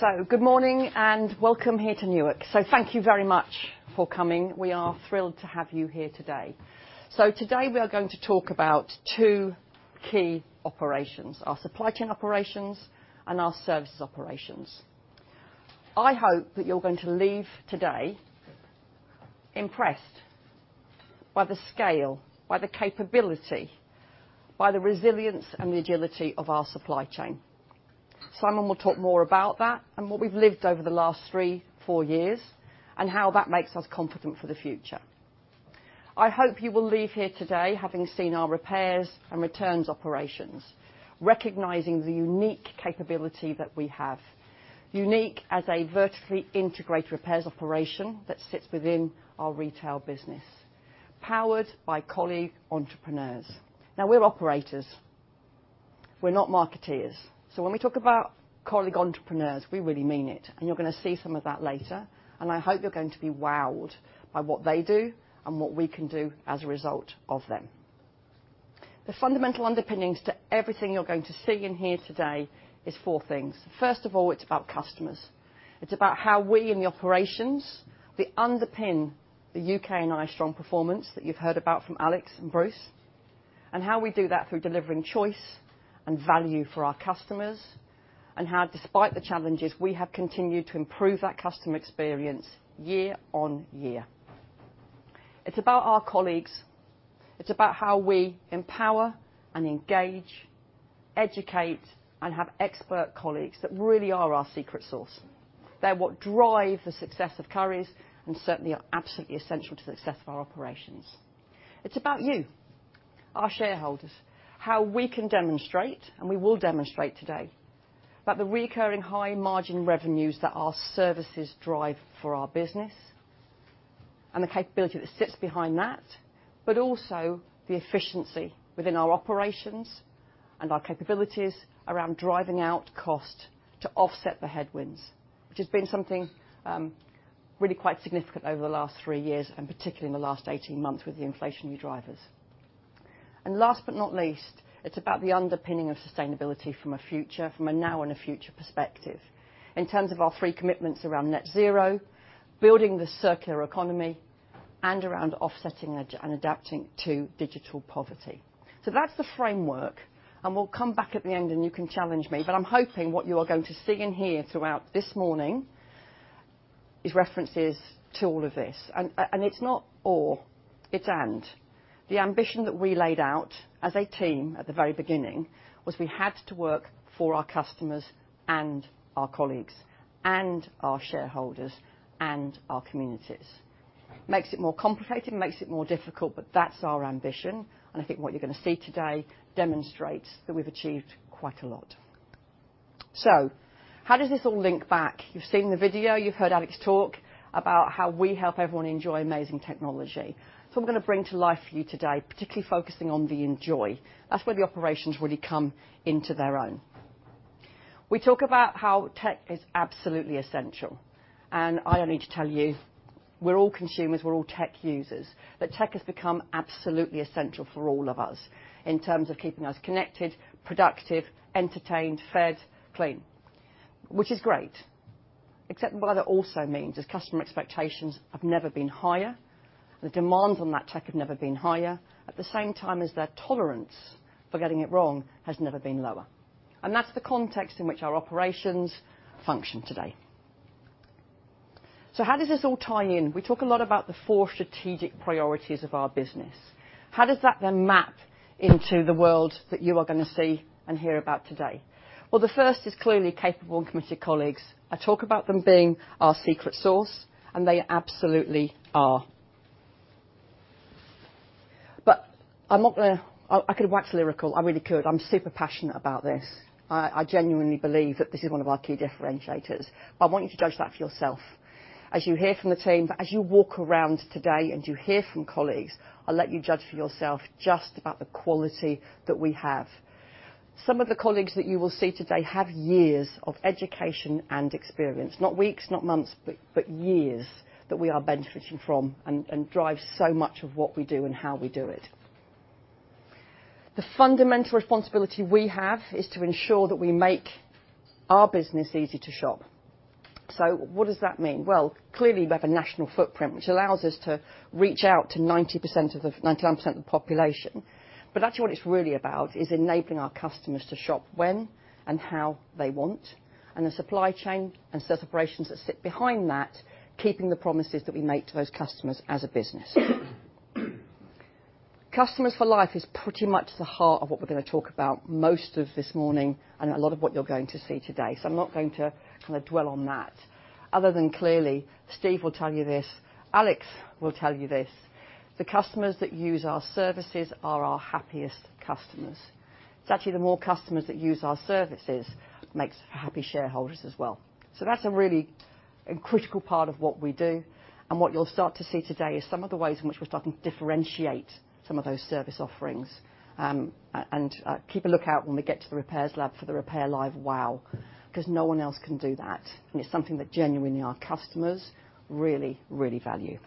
So good morning, and welcome here to Newark. So thank you very much for coming. We are thrilled to have you here today. So today, we are going to talk about two key operations: our supply chain operations and our services operations. I hope that you're going to leave today impressed by the scale, by the capability, by the resilience and the agility of our supply chain. Simon will talk more about that and what we've lived over the last 3, 4 years, and how that makes us confident for the future. I hope you will leave here today having seen our repairs and returns operations, recognizing the unique capability that we have. Unique as a vertically integrated repairs operation that sits within our retail business, powered by colleague entrepreneurs. Now, we're operators, we're not marketeers, so when we talk about colleague entrepreneurs, we really mean it, and you're going to see some of that later. And I hope you're going to be wowed by what they do and what we can do as a result of them. The fundamental underpinnings to everything you're going to see in here today is four things. First of all, it's about customers. It's about how we, in the operations, we underpin the U.K. and Ireland strong performance that you've heard about from Alex and Bruce, and how we do that through delivering choice and value for our customers, and how, despite the challenges, we have continued to improve that customer experience year on year. It's about our colleagues. It's about how we empower and engage, educate, and have expert colleagues that really are our secret sauce. They're what drive the success of Currys, and certainly are absolutely essential to the success of our operations. It's about you, our shareholders, how we can demonstrate, and we will demonstrate today, about the recurring high margin revenues that our services drive for our business and the capability that sits behind that, but also the efficiency within our operations and our capabilities around driving out cost to offset the headwinds, which has been something, really quite significant over the last three years, and particularly in the last 18 months with the inflationary drivers. And last but not least, it's about the underpinning of sustainability from a future, from a now and a future perspective, in terms of our three commitments around net zero, building the circular economy, and around offsetting and, and adapting to digital poverty. So that's the framework, and we'll come back at the end and you can challenge me, but I'm hoping what you are going to see in here throughout this morning is references to all of this. And, and it's not or, it's and. The ambition that we laid out as a team at the very beginning was we had to work for our customers and our colleagues and our shareholders and our communities. Makes it more complicated, makes it more difficult, but that's our ambition, and I think what you're going to see today demonstrates that we've achieved quite a lot. So how does this all link back? You've seen the video, you've heard Alex talk about how we help everyone enjoy amazing technology. So I'm going to bring to life for you today, particularly focusing on the enjoy. That's where the operations really come into their own. We talk about how tech is absolutely essential, and I don't need to tell you, we're all consumers, we're all tech users, that tech has become absolutely essential for all of us in terms of keeping us connected, productive, entertained, fed, clean. Which is great, except what that also means is customer expectations have never been higher, the demands on that tech have never been higher, at the same time as their tolerance for getting it wrong has never been lower. That's the context in which our operations function today. How does this all tie in? We talk a lot about the four strategic priorities of our business. How does that then map into the world that you are going to see and hear about today? Well, the first is clearly capable and committed colleagues. I talk about them being our secret sauce, and they absolutely are. But I'm not gonna... I could wax lyrical, I really could. I'm super passionate about this. I genuinely believe that this is one of our key differentiators, but I want you to judge that for yourself. As you hear from the team, as you walk around today and you hear from colleagues, I'll let you judge for yourself just about the quality that we have. Some of the colleagues that you will see today have years of education and experience, not weeks, not months, but years that we are benefiting from and drives so much of what we do and how we do it. The fundamental responsibility we have is to ensure that we make our business easy to shop. So what does that mean? Well, clearly, we have a national footprint, which allows us to reach out to 90% of the, 99% of the population. But actually, what it's really about is enabling our customers to shop when and how they want, and the supply chain and service operations that sit behind that, keeping the promises that we make to those customers as a business. Customers for life is pretty much the heart of what we're going to talk about most of this morning and a lot of what you're going to see today. So I'm not going to kind of dwell on that, other than clearly, Steve will tell you this, Alex will tell you this, the customers that use our services are our happiest customers. It's actually the more customers that use our services makes for happy shareholders as well. So that's a really critical part of what we do, and what you'll start to see today is some of the ways in which we're starting to differentiate some of those service offerings. Keep a lookout when we get to the repairs lab for the RepairLive. Wow, 'cause no one else can do that, and it's something that genuinely our customers really, really value.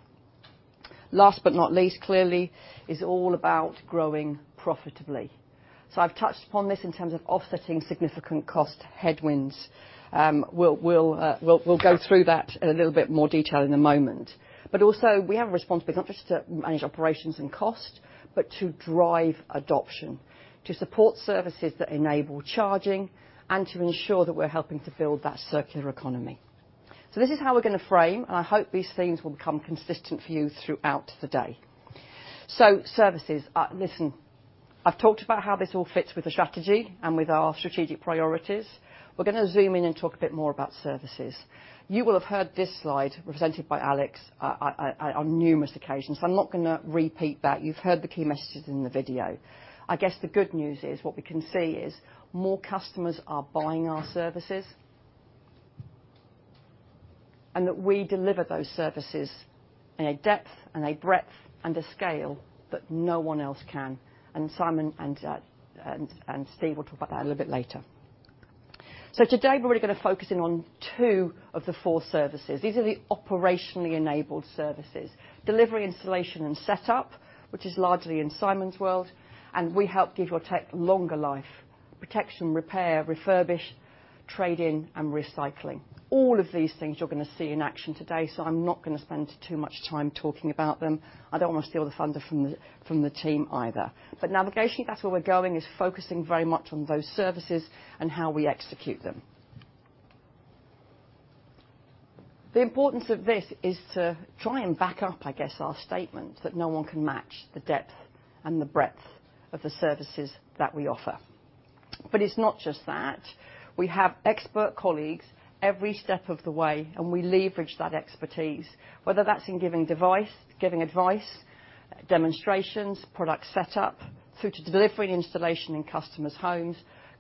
Last but not least, clearly, is all about growing profitably. I've touched upon this in terms of offsetting significant cost headwinds. We'll go through that in a little bit more detail in a moment. But also, we have a responsibility not just to manage operations and cost, but to drive adoption, to support services that enable charging, and to ensure that we're helping to build that circular economy. So this is how we're gonna frame, and I hope these themes will become consistent for you throughout the day. So services, listen, I've talked about how this all fits with the strategy and with our strategic priorities. We're gonna zoom in and talk a bit more about services. You will have heard this slide presented by Alex on numerous occasions. I'm not gonna repeat that. You've heard the key messages in the video. I guess the good news is, what we can see is more customers are buying our services, and that we deliver those services in a depth and a breadth and a scale that no one else can, and Simon and Steve will talk about that a little bit later. So today, we're really gonna focus in on two of the four services. These are the operationally enabled services: delivery, installation, and setup, which is largely in Simon's world, and we help give your tech longer life, protection, repair, refurbish, trade-in, and recycling. All of these things you're gonna see in action today, so I'm not gonna spend too much time talking about them. I don't wanna steal the thunder from the, from the team either. But navigation, that's where we're going, is focusing very much on those services and how we execute them. The importance of this is to try and back up, I guess, our statement that no one can match the depth and the breadth of the services that we offer. But it's not just that. We have expert colleagues every step of the way, and we leverage that expertise, whether that's in giving advice, demonstrations, product setup, through to delivery and installation in customers' homes,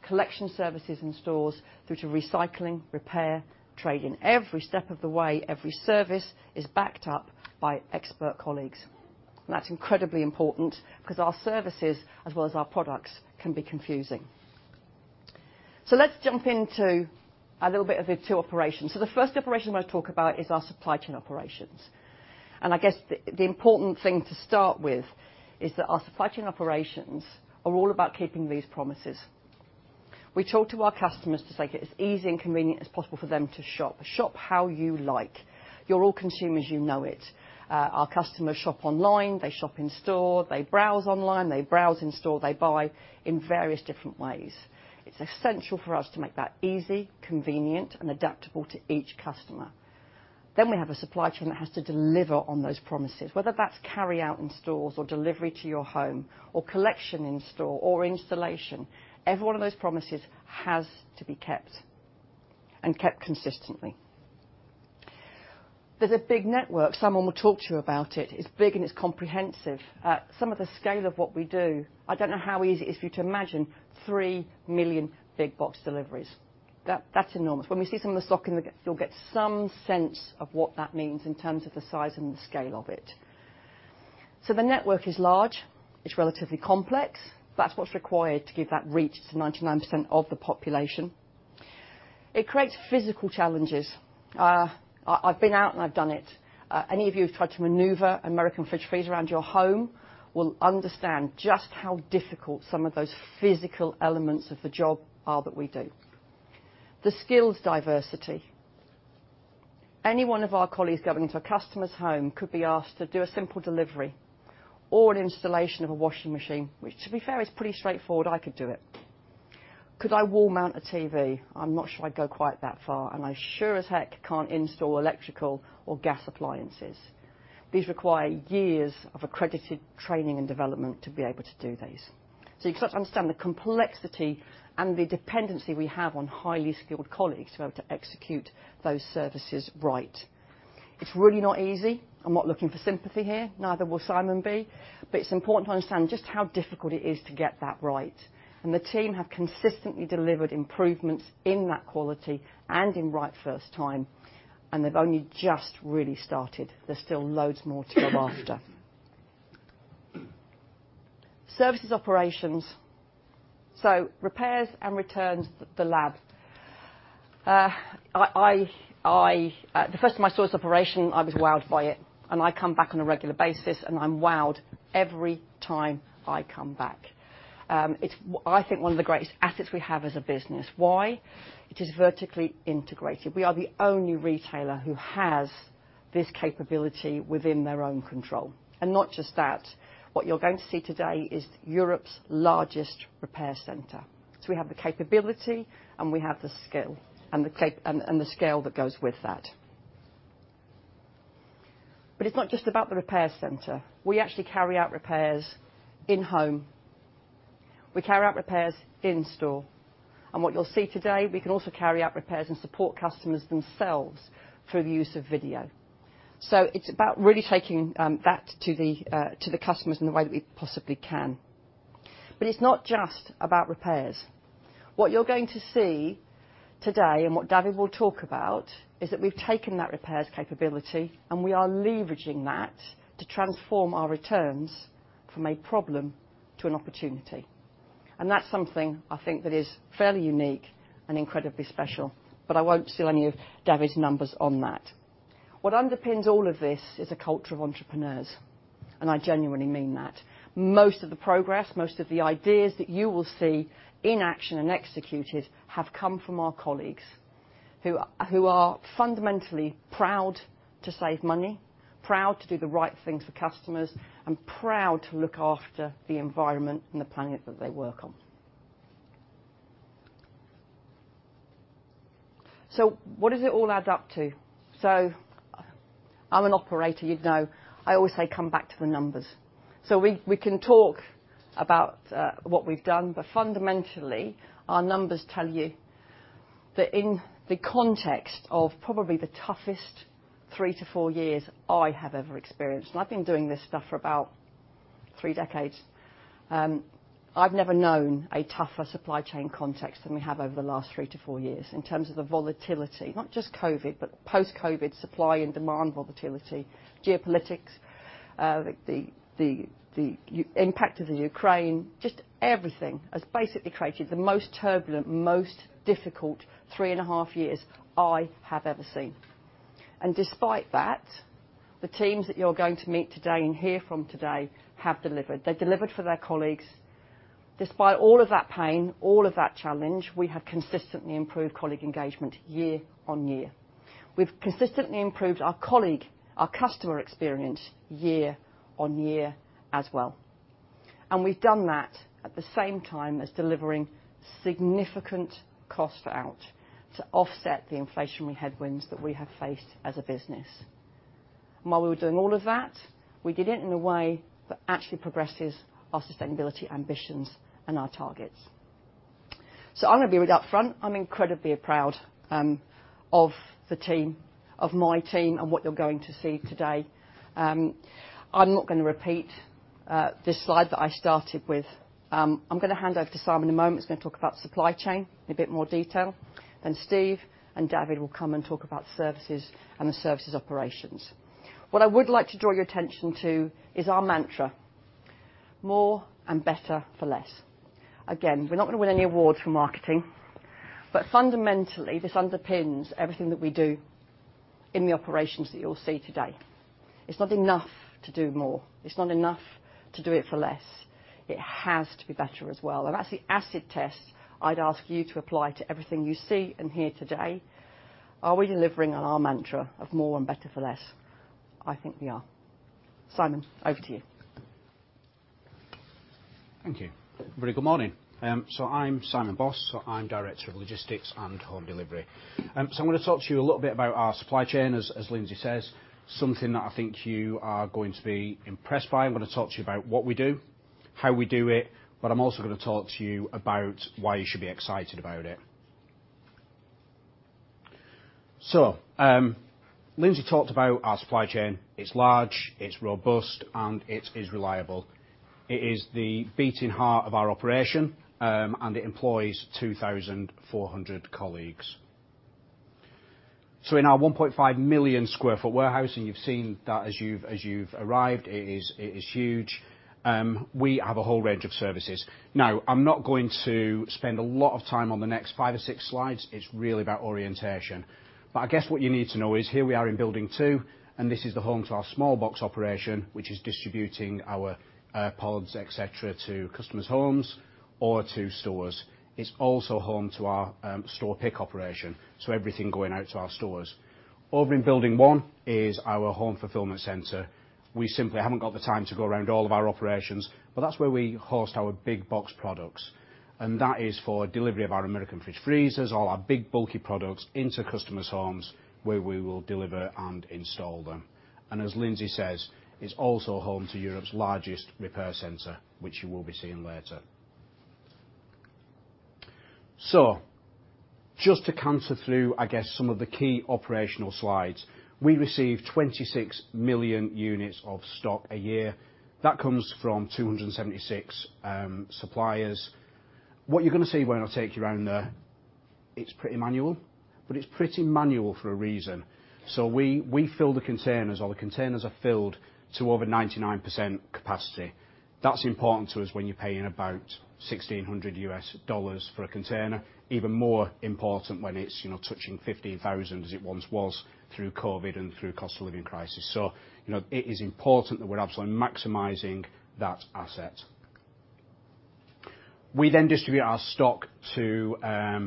collection services in stores, through to recycling, repair, trade-in. Every step of the way, every service is backed up by expert colleagues. That's incredibly important because our services, as well as our products, can be confusing. Let's jump into a little bit of the two operations. The first operation I'm gonna talk about is our supply chain operations. I guess the important thing to start with is that our supply chain operations are all about keeping these promises. We talk to our customers to make it as easy and convenient as possible for them to shop. Shop how you like. You're all consumers, you know it. Our customers shop online, they shop in store, they browse online, they browse in store, they buy in various different ways. It's essential for us to make that easy, convenient, and adaptable to each customer. Then we have a supply chain that has to deliver on those promises, whether that's carry-out in stores or delivery to your home or collection in store or installation. Every one of those promises has to be kept, and kept consistently. There's a big network. Simon will talk to you about it. It's big, and it's comprehensive. Some of the scale of what we do, I don't know how easy it is for you to imagine 3 million big box deliveries. That's enormous. When we see some of the stock in the get, you'll get some sense of what that means in terms of the size and the scale of it. So the network is large, it's relatively complex, but that's what's required to give that reach to 99% of the population. It creates physical challenges. I've been out, and I've done it. Any of you who've tried to maneuver American refrigerators around your home will understand just how difficult some of those physical elements of the job are that we do. The skills diversity. Any one of our colleagues going into a customer's home could be asked to do a simple delivery or an installation of a washing machine, which, to be fair, is pretty straightforward. I could do it. Could I wall mount a TV? I'm not sure I'd go quite that far, and I sure as heck can't install electrical or gas appliances. These require years of accredited training and development to be able to do these. So you've got to understand the complexity and the dependency we have on highly skilled colleagues to be able to execute those services right. It's really not easy. I'm not looking for sympathy here, neither will Simon be, but it's important to understand just how difficult it is to get that right. And the team have consistently delivered improvements in that quality and in right first time, and they've only just really started. There's still loads more to go after. Services operations. So repairs and returns, the lab. The first time I saw this operation, I was wowed by it, and I come back on a regular basis, and I'm wowed every time I come back. It's, I think, one of the greatest assets we have as a business. Why? It is vertically integrated. We are the only retailer who has this capability within their own control. And not just that, what you're going to see today is Europe's largest repair center. So we have the capability, and we have the skill and the capacity and the scale that goes with that. But it's not just about the repair center. We actually carry out repairs in home. We carry out repairs in store. And what you'll see today, we can also carry out repairs and support customers themselves through the use of video. So it's about really taking that to the customers in the way that we possibly can. But it's not just about repairs. What you're going to see today, and what David will talk about, is that we've taken that repairs capability, and we are leveraging that to transform our returns from a problem to an opportunity.... And that's something I think that is fairly unique and incredibly special, but I won't steal any of David's numbers on that. What underpins all of this is a culture of entrepreneurs, and I genuinely mean that. Most of the progress, most of the ideas that you will see in action and executed, have come from our colleagues, who are fundamentally proud to save money, proud to do the right thing for customers, and proud to look after the environment and the planet that they work on. So what does it all add up to? So I'm an operator, you'd know. I always say, "Come back to the numbers." We can talk about what we've done, but fundamentally, our numbers tell you that in the context of probably the toughest 3 to 4 years I have ever experienced, and I've been doing this stuff for about 3 decades, I've never known a tougher supply chain context than we have over the last 3 to 4 years in terms of the volatility. Not just COVID, but post-COVID supply and demand volatility, geopolitics, the impact of the Ukraine. Everything has basically created the most turbulent, most difficult 3 and a half years I have ever seen. Despite that, the teams that you're going to meet today and hear from today have delivered. They delivered for their colleagues. Despite all of that pain, all of that challenge, we have consistently improved colleague engagement year on year. We've consistently improved our colleague, our customer experience year on year as well, and we've done that at the same time as delivering significant cost out to offset the inflationary headwinds that we have faced as a business. And while we were doing all of that, we did it in a way that actually progresses our sustainability ambitions and our targets. So I'm going to be really upfront. I'm incredibly proud of the team, of my team, and what you're going to see today. I'm not going to repeat this slide that I started with. I'm going to hand over to Simon in a moment. He's going to talk about supply chain in a bit more detail, then Steve and David will come and talk about services and the services operations. What I would like to draw your attention to is our mantra: more and better for less. Again, we're not going to win any awards for marketing, but fundamentally, this underpins everything that we do in the operations that you'll see today. It's not enough to do more, it's not enough to do it for less, it has to be better as well, and that's the acid test I'd ask you to apply to everything you see and hear today. Are we delivering on our mantra of more and better for less? I think we are. Simon, over to you. Thank you. Very good morning. I'm Simon Boss. I'm Director of Logistics and Home Delivery. I'm going to talk to you a little bit about our supply chain. As Lindsay says, something that I think you are going to be impressed by. I'm going to talk to you about what we do, how we do it, but I'm also going to talk to you about why you should be excited about it. Lindsay talked about our supply chain. It's large, it's robust, and it is reliable. It is the beating heart of our operation, and it employs 2,400 colleagues. In our 1.5 million sq ft warehouse, and you've seen that as you've arrived, it is huge, we have a whole range of services. Now, I'm not going to spend a lot of time on the next five or six slides. It's really about orientation. But I guess what you need to know is here we are in building two, and this is the home to our small box operation, which is distributing our pods, et cetera, to customers' homes or to stores. It's also home to our store pick operation, so everything going out to our stores. Over in building one is our home fulfillment center. We simply haven't got the time to go around all of our operations, but that's where we host our big box products, and that is for delivery of our American fridge freezers, all our big, bulky products into customers' homes, where we will deliver and install them. And as Lindsay says, it's also home to Europe's largest repair center, which you will be seeing later. So just to run through, I guess, some of the key operational slides, we receive 26 million units of stock a year. That comes from 276 suppliers. What you're going to see when I take you around there, it's pretty manual, but it's pretty manual for a reason. So we, we fill the containers, or the containers are filled to over 99% capacity. That's important to us when you're paying about $1,600 for a container. Even more important when it's, you know, touching $15,000, as it once was through COVID and through cost of living crisis. So, you know, it is important that we're absolutely maximizing that asset. We then distribute our stock to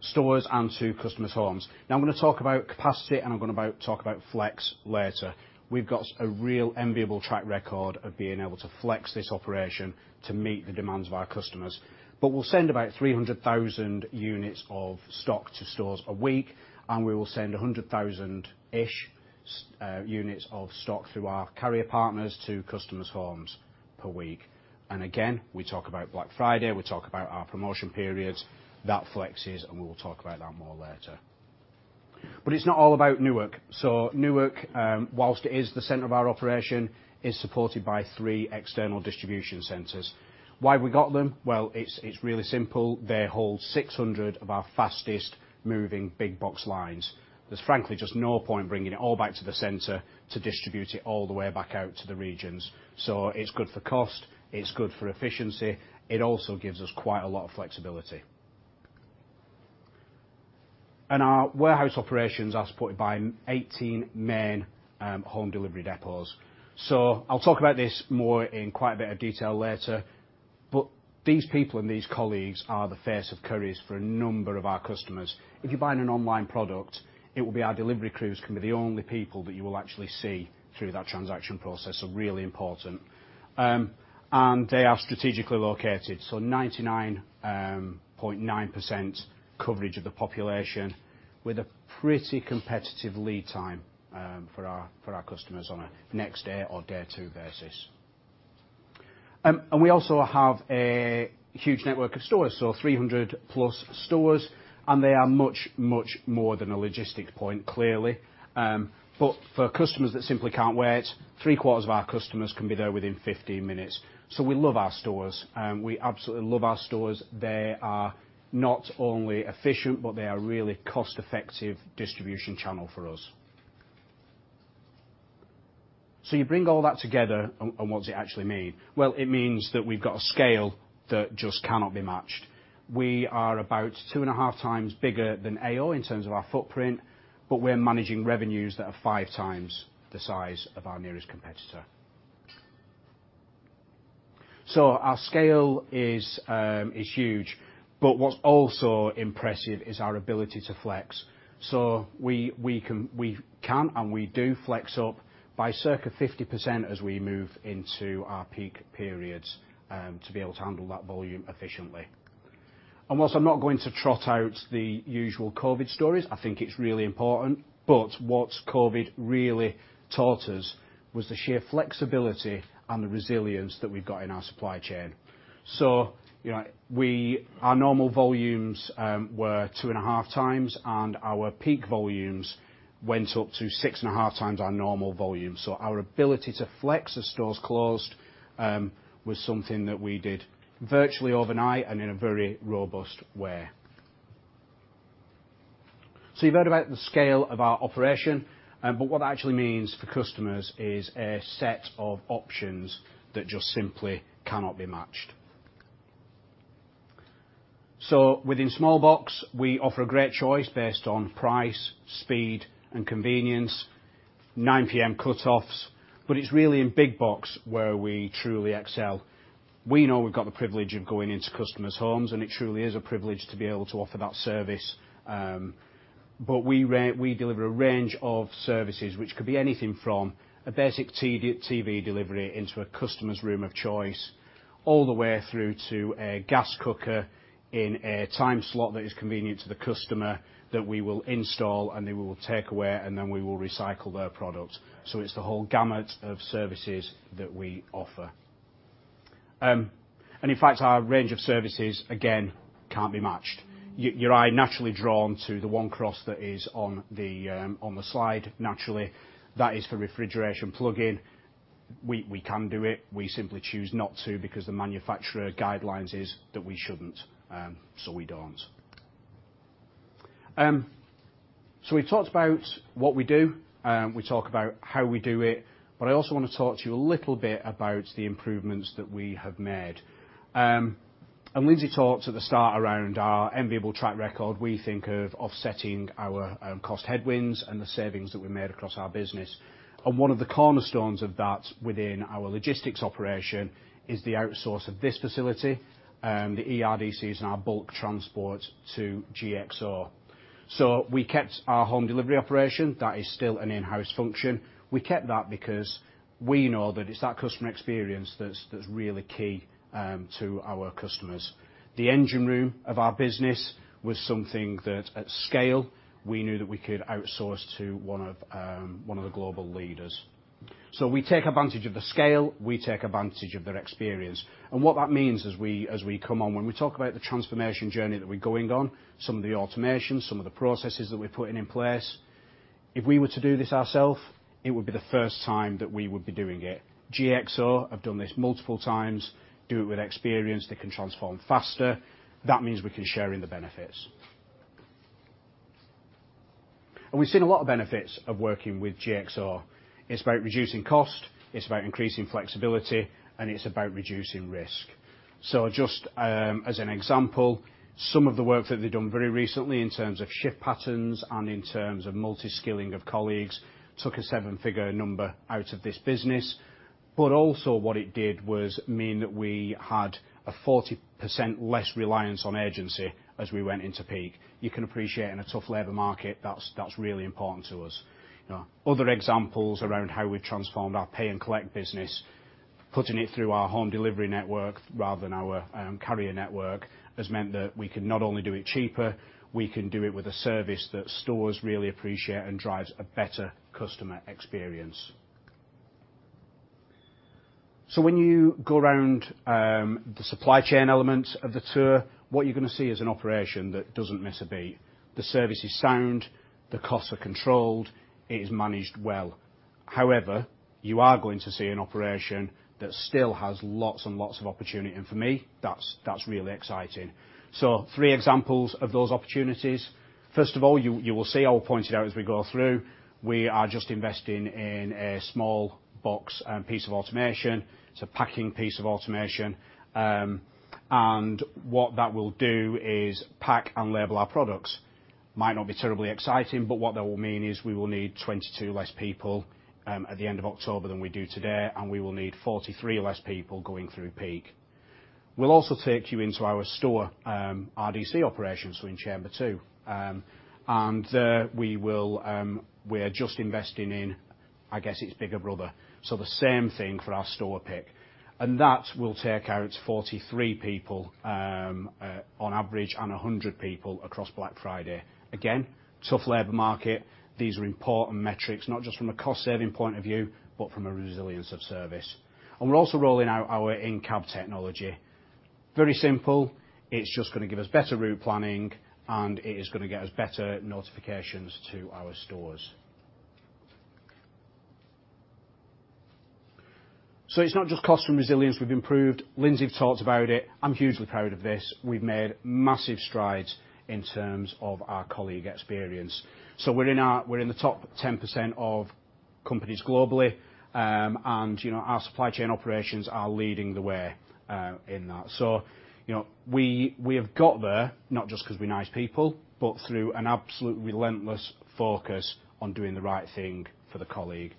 stores and to customers' homes. Now, I'm going to talk about capacity, and I'm going to talk about flex later. We've got a real enviable track record of being able to flex this operation to meet the demands of our customers. But we'll send about 300,000 units of stock to stores a week, and we will send a 100,000-ish units of stock through our carrier partners to customers' homes per week. And again, we talk about Black Friday, we talk about our promotion periods. That flexes, and we will talk about that more later. But it's not all about Newark. So Newark, while it is the center of our operation, is supported by three external distribution centers. Why have we got them? Well, it's really simple: they hold 600 of our fastest moving big box lines. There's frankly just no point bringing it all back to the center to distribute it all the way back out to the regions. So it's good for cost, it's good for efficiency, it also gives us quite a lot of flexibility. And our warehouse operations are supported by 18 main home delivery depots. So I'll talk about this more in quite a bit of detail later, but these people and these colleagues are the face of Currys for a number of our customers. If you're buying an online product, it will be our delivery crews can be the only people that you will actually see through that transaction process, so really important. And they are strategically located, so 99.9% coverage of the population, with a pretty competitive lead time, for our customers on a next day or day two basis. And we also have a huge network of stores, so 300+ stores, and they are much, much more than a logistic point, clearly. But for customers that simply can't wait, three-quarters of our customers can be there within 15 minutes. So we love our stores, and we absolutely love our stores. They are not only efficient, but they are a really cost-effective distribution channel for us. So you bring all that together, and what does it actually mean? Well, it means that we've got a scale that just cannot be matched. We are about 2.5 times bigger than AO in terms of our footprint, but we're managing revenues that are 5 times the size of our nearest competitor. So our scale is huge, but what's also impressive is our ability to flex. So we can and we do flex up by circa 50% as we move into our peak periods to be able to handle that volume efficiently. And while I'm not going to trot out the usual COVID stories, I think it's really important, but what COVID really taught us was the sheer flexibility and the resilience that we've got in our supply chain. So you know, our normal volumes were 2.5 times, and our peak volumes went up to 6.5 times our normal volumes. So our ability to flex as stores closed was something that we did virtually overnight and in a very robust way. So you've heard about the scale of our operation, but what that actually means for customers is a set of options that just simply cannot be matched. So within small box, we offer a great choice based on price, speed and convenience, 9 PM cutoffs, but it's really in big box where we truly excel. We know we've got the privilege of going into customers' homes, and it truly is a privilege to be able to offer that service. But we deliver a range of services, which could be anything from a basic TV delivery into a customer's room of choice, all the way through to a gas cooker in a time slot that is convenient to the customer, that we will install, and they will take away, and then we will recycle their product. So it's the whole gamut of services that we offer. And in fact, our range of services, again, can't be matched. Your eye naturally drawn to the one cross that is on the slide, naturally. That is for refrigeration plug-in. We can do it. We simply choose not to because the manufacturer guidelines is that we shouldn't, so we don't. So we've talked about what we do, we talk about how we do it, but I also want to talk to you a little bit about the improvements that we have made. And Lindsay talked at the start around our enviable track record. We think of offsetting our cost headwinds and the savings that we made across our business. And one of the cornerstones of that within our logistics operation is the outsource of this facility, the ERDCs and our bulk transport to GXO. So we kept our home delivery operation. That is still an in-house function. We kept that because we know that it's that customer experience that's, that's really key to our customers. The engine room of our business was something that, at scale, we knew that we could outsource to one of the global leaders. So we take advantage of the scale, we take advantage of their experience. And what that means as we, as we come on, when we talk about the transformation journey that we're going on, some of the automation, some of the processes that we're putting in place, if we were to do this ourselves, it would be the first time that we would be doing it. GXO have done this multiple times, do it with experience, they can transform faster. That means we can share in the benefits. And we've seen a lot of benefits of working with GXO. It's about reducing cost, it's about increasing flexibility, and it's about reducing risk. So just, as an example, some of the work that they've done very recently in terms of shift patterns and in terms of multi-skilling of colleagues, took a 7-figure number out of this business. But also what it did was mean that we had a 40% less reliance on agency as we went into peak. You can appreciate in a tough labor market, that's really important to us. Other examples around how we've transformed our pay-and-collect business, putting it through our home delivery network rather than our, carrier network, has meant that we can not only do it cheaper, we can do it with a service that stores really appreciate and drives a better customer experience. So when you go around, the supply chain element of the tour, what you're going to see is an operation that doesn't miss a beat. The service is sound, the costs are controlled, it is managed well. However, you are going to see an operation that still has lots and lots of opportunity, and for me, that's really exciting. So three examples of those opportunities. First of all, you will see, I will point it out as we go through, we are just investing in a small box piece of automation. It's a packing piece of automation, and what that will do is pack and label our products... might not be terribly exciting, but what that will mean is we will need 22 less people at the end of October than we do today, and we will need 43 less people going through peak. We'll also take you into our store, RDC operations in chamber two, and we will, we are just investing in, I guess, its bigger brother, so the same thing for our store pick, and that will take out 43 people on average, and 100 people across Black Friday. Again, tough labor market. These are important metrics, not just from a cost-saving point of view, but from a resilience of service. We're also rolling out our in-cab technology. Very simple. It's just going to give us better route planning, and it is going to get us better notifications to our stores. It's not just cost and resilience we've improved. Lindsay talked about it. I'm hugely proud of this. We've made massive strides in terms of our colleague experience. So we're in the top 10% of companies globally, and, you know, our supply chain operations are leading the way, in that. So, you know, we, we have got there, not just because we're nice people, but through an absolute relentless focus on doing the right thing for the colleague.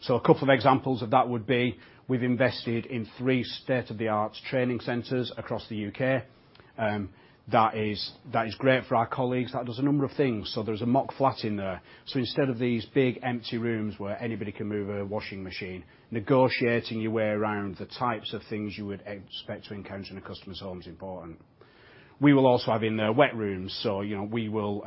So a couple of examples of that would be, we've invested in three state-of-the-art training centers across the UK, that is, that is great for our colleagues. That does a number of things. So there's a mock flat in there. So instead of these big, empty rooms where anybody can move a washing machine, negotiating your way around the types of things you would expect to encounter in a customer's home is important. We will also have in there wet rooms, so, you know, we will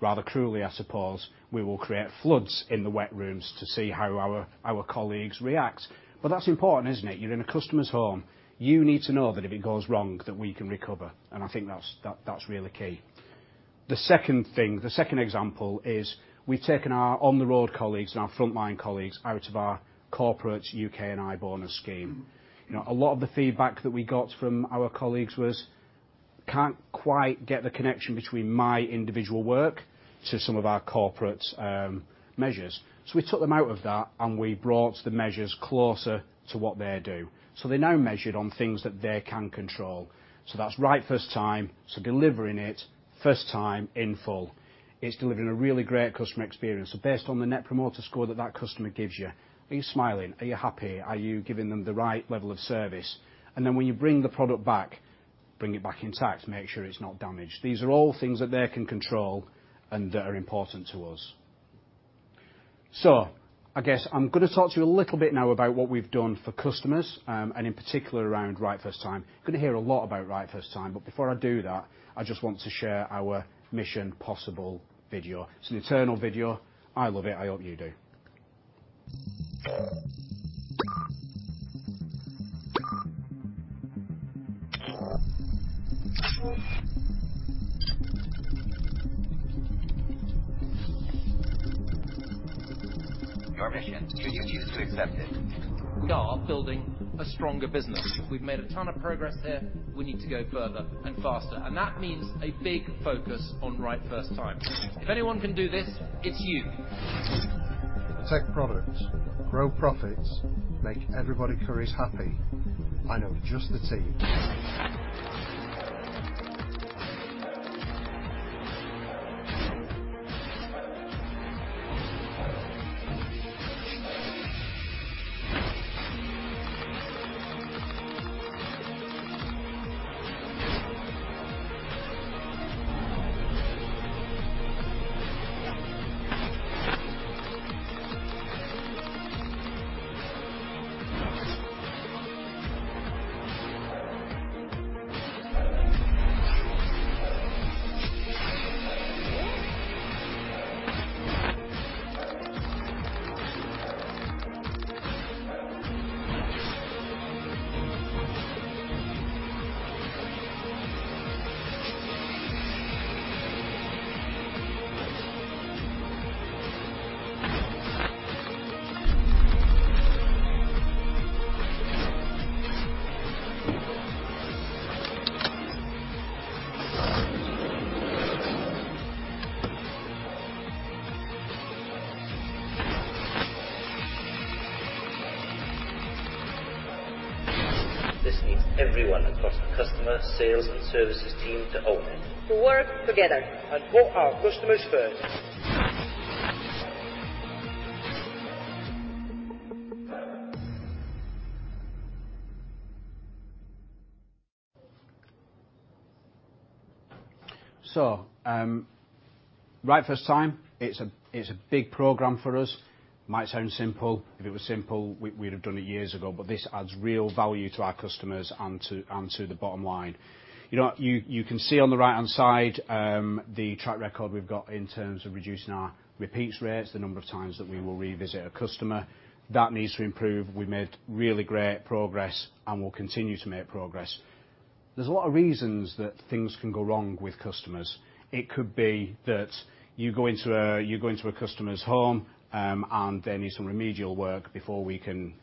rather cruelly, I suppose, we will create floods in the wet rooms to see how our colleagues react. But that's important, isn't it? You're in a customer's home. You need to know that if it goes wrong, that we can recover, and I think that's really key. The second thing, the second example is we've taken our on-the-road colleagues and our frontline colleagues out of our corporate UK&I bonus scheme. You know, a lot of the feedback that we got from our colleagues was, "Can't quite get the connection between my individual work to some of our corporate measures." So we took them out of that, and we brought the measures closer to what they do. So they're now measured on things that they can control. So that's Right First Time, so delivering it first time in full. It's delivering a really great customer experience. So based on the Net Promoter Score that that customer gives you, are you smiling? Are you happy? Are you giving them the right level of service? And then when you bring the product back, bring it back intact, make sure it's not damaged. These are all things that they can control and that are important to us. So I guess I'm going to talk to you a little bit now about what we've done for customers, and in particular, around Right First Time. You're going to hear a lot about Right First Time, but before I do that, I just want to share our Mission Possible video. It's an internal video. I love it. I hope you do. Your mission, should you choose to accept it. We are building a stronger business. We've made a ton of progress here. We need to go further and faster, and that means a big focus on Right First Time. If anyone can do this, it's you. Protect products, grow profits, make everybody Currys happy. I know just the team. This needs everyone across the customer, sales, and services team to own it. To work together. Put our customers first. So, Right First Time, it's a big program for us. Might sound simple. If it was simple, we'd have done it years ago, but this adds real value to our customers and to the bottom line. You know, you can see on the right-hand side, the track record we've got in terms of reducing our repeat rates, the number of times that we will revisit a customer. That needs to improve. We've made really great progress and will continue to make progress. There's a lot of reasons that things can go wrong with customers. It could be that you go into a customer's home, and they need some remedial work before we can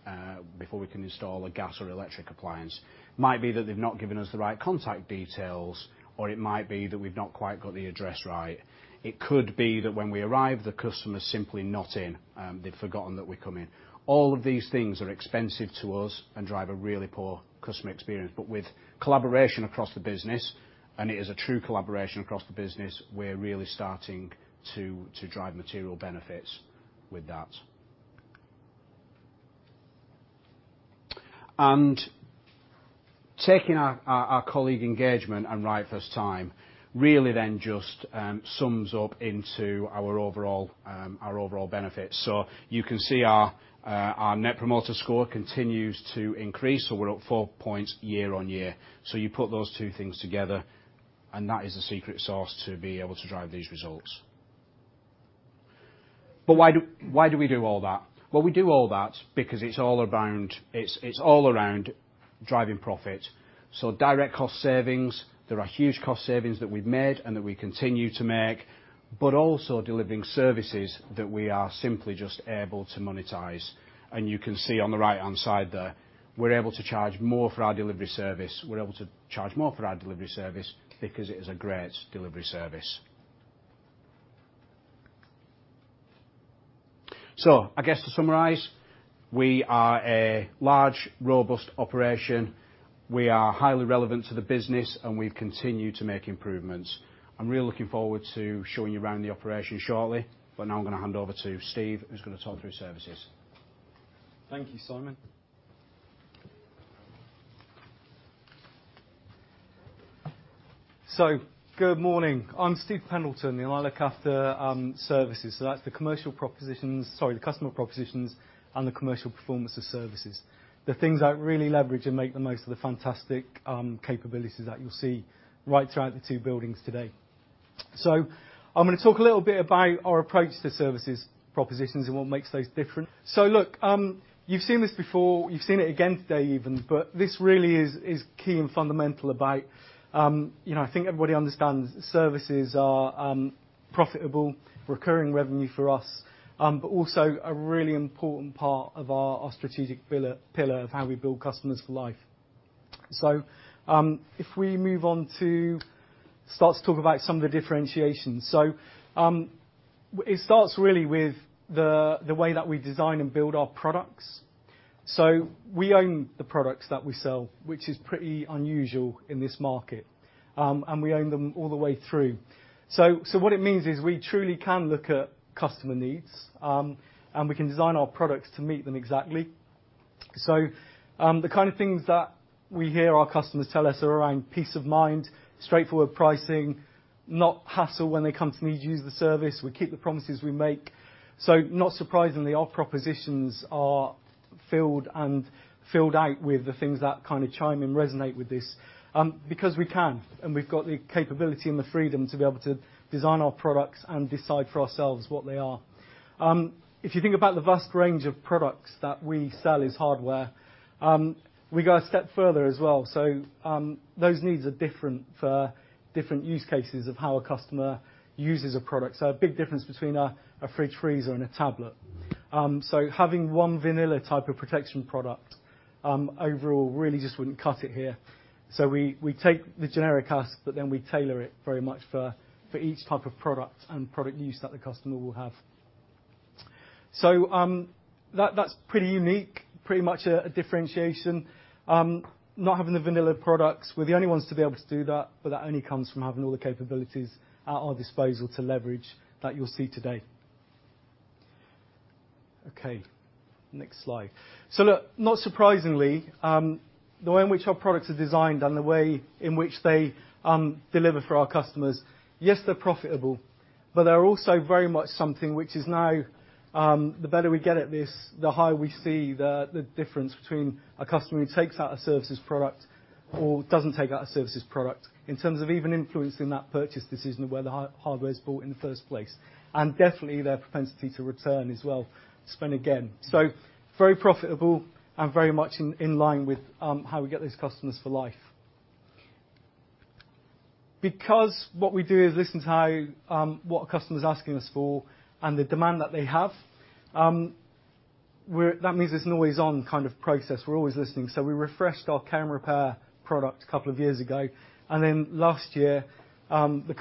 install a gas or electric appliance. Might be that they've not given us the right contact details, or it might be that we've not quite got the address right. It could be that when we arrive, the customer is simply not in, they've forgotten that we're coming. All of these things are expensive to us and drive a really poor customer experience, but with collaboration across the business, and it is a true collaboration across the business, we're really starting to drive material benefits with that. Taking our colleague engagement and right first time really then just sums up into our overall, our overall benefits. You can see our Net Promoter Score continues to increase, we're up 4 points year on year. You put those two things together, and that is the secret sauce to be able to drive these results. But why do we do all that? Well, we do all that because it's all around driving profit. So direct cost savings, there are huge cost savings that we've made and that we continue to make, but also delivering services that we are simply just able to monetize. And you can see on the right-hand side there, we're able to charge more for our delivery service. We're able to charge more for our delivery service because it is a great delivery service. So I guess, to summarize, we are a large, robust operation. We are highly relevant to the business, and we continue to make improvements. I'm really looking forward to showing you around the operation shortly, but now I'm going to hand over to Steve, who's going to talk through services. Thank you, Simon. So good morning. I'm Steve Pendleton, and I look after services. So that's the commercial propositions, sorry, the customer propositions and the commercial performance of services. The things that really leverage and make the most of the fantastic capabilities that you'll see right throughout the two buildings today. So I'm going to talk a little bit about our approach to services, propositions, and what makes those different. So look, you've seen this before. You've seen it again today even, but this really is, is key and fundamental about, you know, I think everybody understands services are profitable, recurring revenue for us, but also a really important part of our, our strategic pillar, pillar of how we build customers for life. So, if we move on to start to talk about some of the differentiations. It starts really with the way that we design and build our products. We own the products that we sell, which is pretty unusual in this market, and we own them all the way through. So what it means is we truly can look at customer needs, and we can design our products to meet them exactly. The kind of things that we hear our customers tell us are around peace of mind, straightforward pricing, not hassle when they come to me to use the service. We keep the promises we make. Not surprisingly, our propositions are filled and filled out with the things that kind of chime and resonate with this, because we can, and we've got the capability and the freedom to be able to design our products and decide for ourselves what they are. If you think about the vast range of products that we sell as hardware, we go a step further as well. So, those needs are different for different use cases of how a customer uses a product. So a big difference between a fridge, freezer, and a tablet. So having one vanilla type of protection product, overall, really just wouldn't cut it here. So we take the generic ask, but then we tailor it very much for each type of product and product use that the customer will have. So, that's pretty unique, pretty much a differentiation. Not having the vanilla products, we're the only ones to be able to do that, but that only comes from having all the capabilities at our disposal to leverage that you'll see today. Okay, next slide. So look, not surprisingly, the way in which our products are designed and the way in which they deliver for our customers, yes, they're profitable, but they're also very much something which is now the better we get at this, the higher we see the difference between a customer who takes out a services product or doesn't take out a services product, in terms of even influencing that purchase decision of whether the hardware is bought in the first place, and definitely their propensity to return as well, to spend again. So very profitable and very much in line with how we get these customers for life. Because what we do is listen to how what a customer's asking us for and the demand that they have, that means it's an always on kind of process. We're always listening. We refreshed our camera repair product a couple of years ago, and last year, the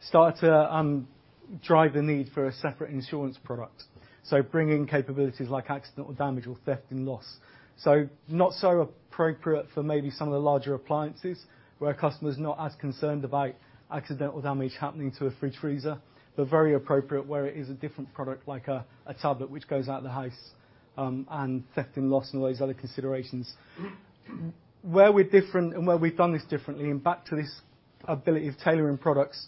customer feedback for tablets and other more portable products started to drive the need for a separate insurance product. Bringing capabilities like accidental damage or theft and loss. Not so appropriate for maybe some of the larger appliances, where a customer is not as concerned about accidental damage happening to a fridge freezer, but very appropriate where it is a different product, like a tablet which goes out the house, and theft and loss, and all these other considerations. Where we're different and where we've done this differently, and back to this ability of tailoring products,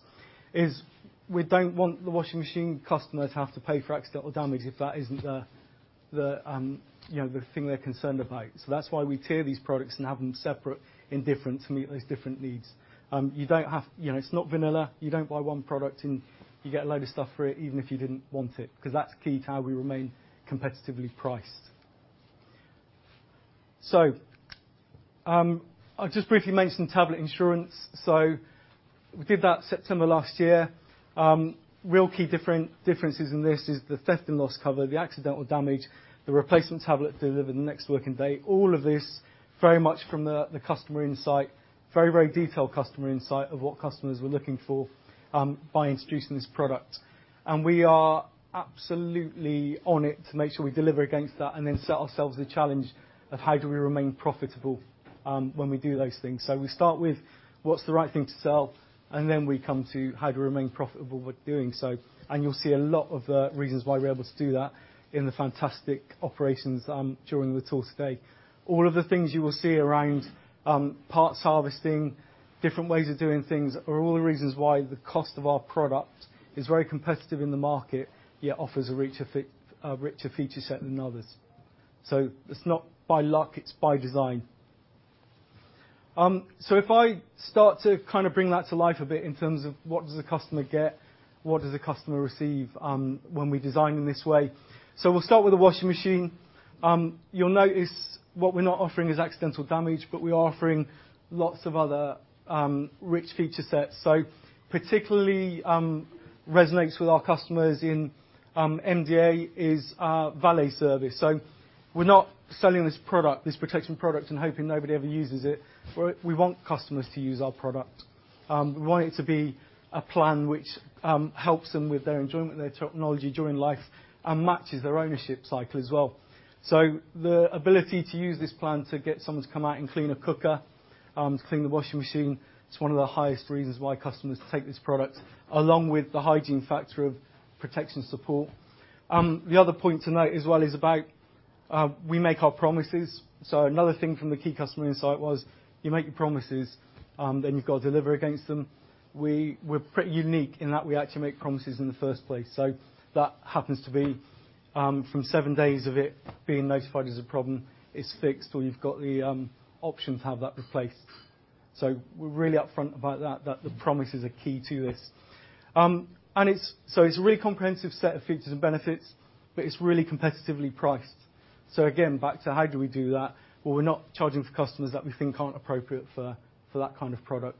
is we don't want the washing machine customers to have to pay for accidental damage if that isn't the, you know, the thing they're concerned about. So that's why we tier these products and have them separate and different to meet those different needs. You don't have... You know, it's not vanilla. You don't buy one product, and you get a load of stuff for it, even if you didn't want it, because that's key to how we remain competitively priced. So, I'll just briefly mention tablet insurance. So we did that September last year. Real key differences in this is the theft and loss cover, the accidental damage, the replacement tablet delivered the next working day. All of this very much from the customer insight, very, very detailed customer insight of what customers were looking for by introducing this product. And we are-... Absolutely on it to make sure we deliver against that, and then set ourselves the challenge of how do we remain profitable when we do those things? So we start with what's the right thing to sell, and then we come to how to remain profitable with doing so, and you'll see a lot of the reasons why we're able to do that in the fantastic operations during the tour today. All of the things you will see around parts harvesting, different ways of doing things, are all the reasons why the cost of our product is very competitive in the market, yet offers a richer feature set than others. So it's not by luck, it's by design. If I start to kind of bring that to life a bit in terms of what does a customer get, what does a customer receive, when we design in this way? We'll start with the washing machine. You'll notice what we're not offering is accidental damage, but we are offering lots of other rich feature sets. Particularly, what resonates with our customers in MDA is our valet service. We're not selling this product, this protection product and hoping nobody ever uses it. We want customers to use our product. We want it to be a plan which helps them with their enjoyment of their technology during life and matches their ownership cycle as well. So the ability to use this plan to get someone to come out and clean a cooker, to clean the washing machine, it's one of the highest reasons why customers take this product, along with the hygiene factor of protection support. The other point to note as well is about, we make our promises. So another thing from the key customer insight was you make your promises, then you've got to deliver against them. We're pretty unique in that we actually make promises in the first place, so that happens to be, from 7 days of it being notified as a problem, it's fixed, or you've got the, option to have that replaced. So we're really upfront about that, that the promises are key to this. And it's... It's a really comprehensive set of features and benefits, but it's really competitively priced. Again, back to how do we do that? Well, we're not charging for customers that we think aren't appropriate for that kind of product.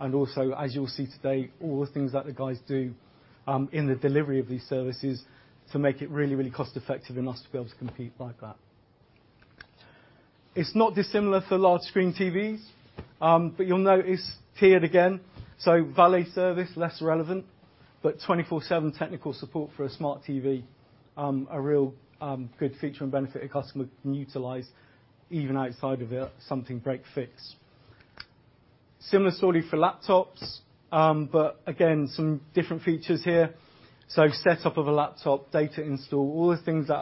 Also, as you'll see today, all the things that the guys do in the delivery of these services to make it really, really cost effective and us to be able to compete like that. It's not dissimilar for large screen TVs, but you'll notice tiered again, so valet service, less relevant, but 24/7 technical support for a smart TV, a real good feature and benefit a customer can utilize even outside of a something break, fix. Similar story for laptops, but again, some different features here. Set up of a laptop, data install, all the things that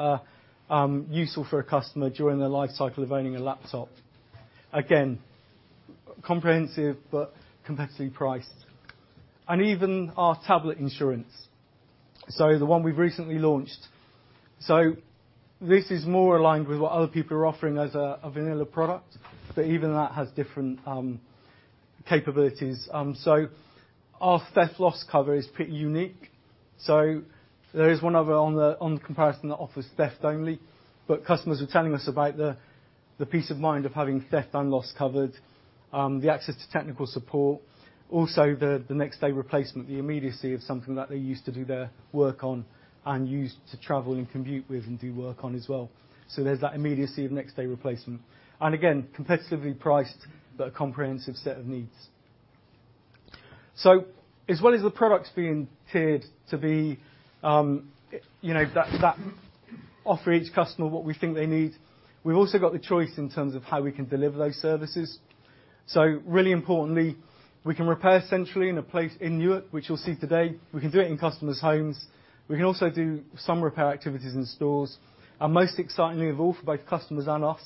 are useful for a customer during their life cycle of owning a laptop. Again, comprehensive but competitively priced. Even our tablet insurance, the one we've recently launched, is more aligned with what other people are offering as a vanilla product, but even that has different capabilities. Our theft loss cover is pretty unique. There is one other on the comparison that offers theft only, but customers are telling us about the peace of mind of having theft and loss covered, the access to technical support, also the next day replacement, the immediacy of something that they use to do their work on and use to travel and commute with, and do work on as well. There's that immediacy of next day replacement. And again, competitively priced, but a comprehensive set of needs. So as well as the products being tiered to be, you know, that offer each customer what we think they need. We've also got the choice in terms of how we can deliver those services. So really importantly, we can repair centrally in a place in Newark, which you'll see today. We can do it in customers' homes. We can also do some repair activities in stores. And most excitingly of all, for both customers and us,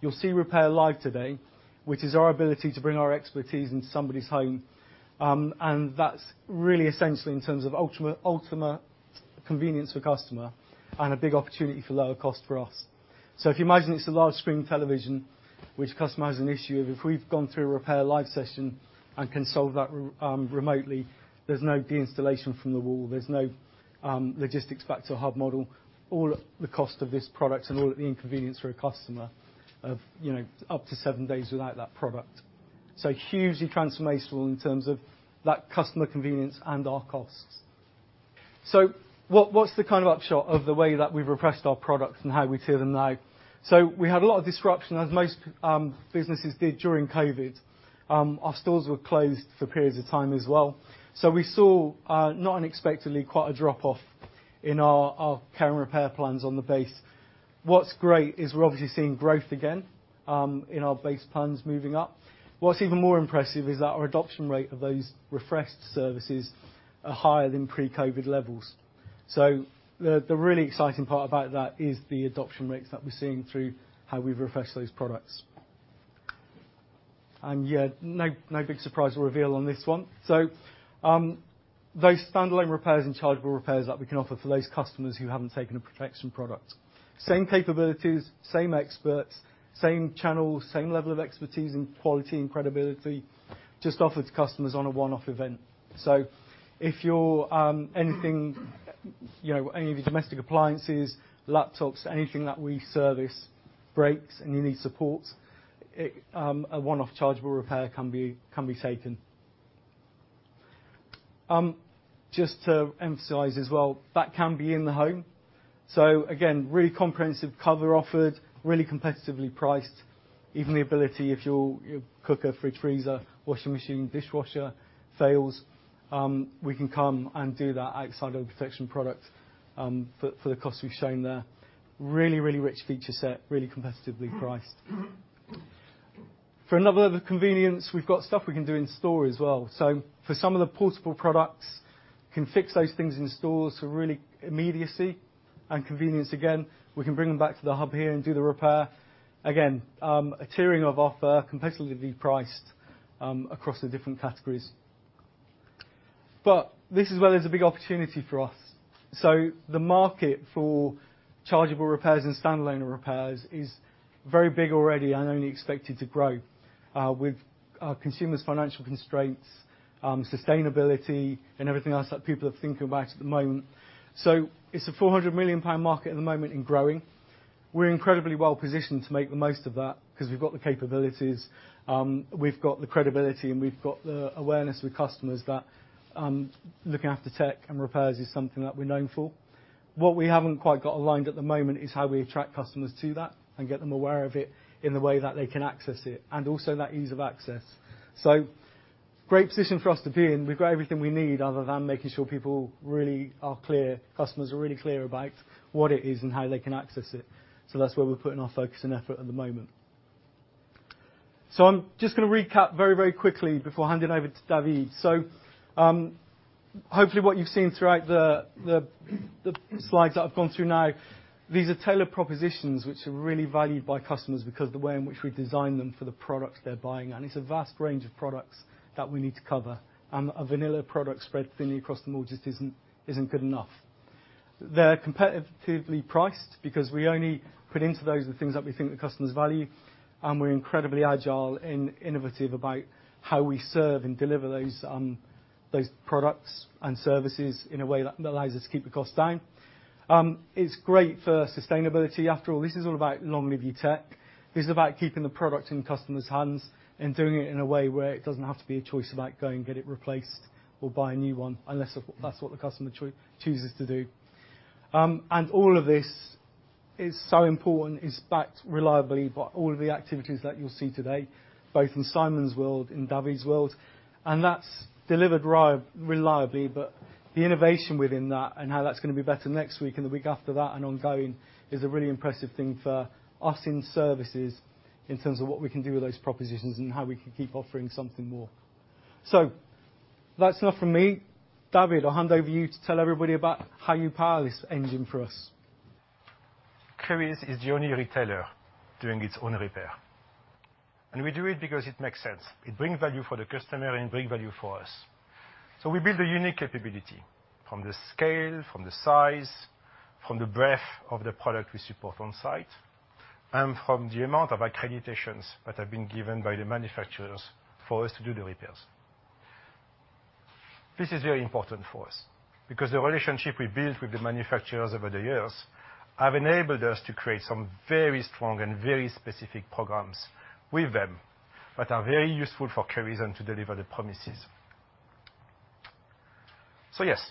you'll see RepairLive today, which is our ability to bring our expertise into somebody's home. And that's really essentially in terms of ultimate convenience for customer and a big opportunity for lower cost for us. So if you imagine it's a large screen television, which customer has an issue, if we've gone through a RepairLive session and can solve that remotely, there's no deinstallation from the wall, there's no logistics back to a hub model, all at the cost of this product and all at the inconvenience for a customer of, you know, up to seven days without that product. So hugely transformational in terms of that customer convenience and our costs. So what, what's the kind of upshot of the way that we've repressed our products and how we tier them now? So we had a lot of disruption, as most businesses did during COVID. Our stores were closed for periods of time as well. So we saw not unexpectedly, quite a drop off in our Care & Repair plans on the base. What's great is we're obviously seeing growth again in our base plans moving up. What's even more impressive is that our adoption rate of those refreshed services are higher than pre-COVID levels. So the really exciting part about that is the adoption rates that we're seeing through how we've refreshed those products. And, yeah, no, no big surprise or reveal on this one. So those standalone repairs and chargeable repairs that we can offer for those customers who haven't taken a protection product, same capabilities, same experts, same channels, same level of expertise and quality and credibility, just offered to customers on a one-off event. So if your anything, you know, any of your domestic appliances, laptops, anything that we service breaks and you need support, it a one-off chargeable repair can be, can be taken. Just to emphasize as well, that can be in the home. So again, really comprehensive cover offered, really competitively priced, even the ability if your, your cooker, fridge, freezer, washing machine, dishwasher fails, we can come and do that outside of the protection product, for the cost we've shown there. Really, really rich feature set, really competitively priced. For another level of convenience, we've got stuff we can do in store as well. So for some of the portable products, can fix those things in store, so really immediacy and convenience again. We can bring them back to the hub here and do the repair. Again, a tiering of offer, competitively priced, across the different categories. But this is where there's a big opportunity for us. So the market for chargeable repairs and standalone repairs is very big already and only expected to grow, with our consumers' financial constraints, sustainability and everything else that people are thinking about at the moment. So it's a 400 million pound market at the moment and growing. We're incredibly well positioned to make the most of that because we've got the capabilities, we've got the credibility, and we've got the awareness with customers that, looking after tech and repairs is something that we're known for. What we haven't quite got aligned at the moment is how we attract customers to that and get them aware of it in the way that they can access it, and also that ease of access. So great position for us to be in. We've got everything we need other than making sure people really are clear, customers are really clear about what it is and how they can access it. So that's where we're putting our focus and effort at the moment. So I'm just going to recap very, very quickly before I hand it over to David. So, hopefully what you've seen throughout the slides that I've gone through now, these are tailored propositions which are really valued by customers because the way in which we design them for the products they're buying, and it's a vast range of products that we need to cover, and a vanilla product spread thinly across them all just isn't good enough. They're competitively priced because we only put into those the things that we think the customers value, and we're incredibly agile and innovative about how we serve and deliver those, those products and services in a way that allows us to keep the cost down. It's great for sustainability. After all, this is all about long-lived tech. This is about keeping the product in customers' hands and doing it in a way where it doesn't have to be a choice about going, get it replaced or buy a new one, unless that's what the customer chooses to do. And all of this is so important, is backed reliably by all of the activities that you'll see today, both in Simon's world and David's world, and that's delivered reliably, but the innovation within that and how that's going to be better next week and the week after that and ongoing is a really impressive thing for us in services in terms of what we can do with those propositions and how we can keep offering something more. So that's enough from me. David, I'll hand over to you to tell everybody about how you power this engine for us. Currys is the only retailer doing its own repair, and we do it because it makes sense. It brings value for the customer and brings value for us. So we build a unique capability from the scale, from the size, from the breadth of the product we support on site, and from the amount of accreditations that have been given by the manufacturers for us to do the repairs. This is very important for us because the relationship we built with the manufacturers over the years have enabled us to create some very strong and very specific programs with them that are very useful for Currys and to deliver the promises. So yes,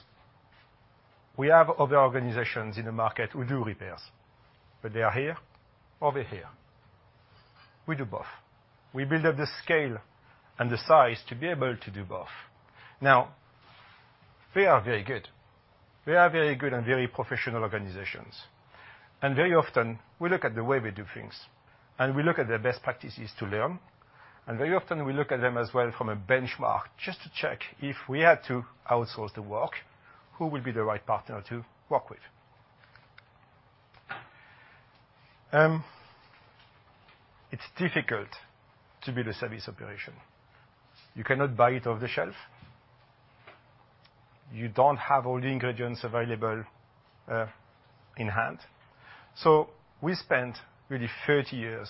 we have other organizations in the market who do repairs, but they are here or we're here. We do both. We build up the scale and the size to be able to do both. Now, they are very good. They are very good and very professional organizations. And very often, we look at the way we do things, and we look at their best practices to learn. And very often, we look at them as well from a benchmark just to check if we had to outsource the work, who would be the right partner to work with? It's difficult to build a service operation. You cannot buy it off the shelf. You don't have all the ingredients available in hand. So we spent really 30 years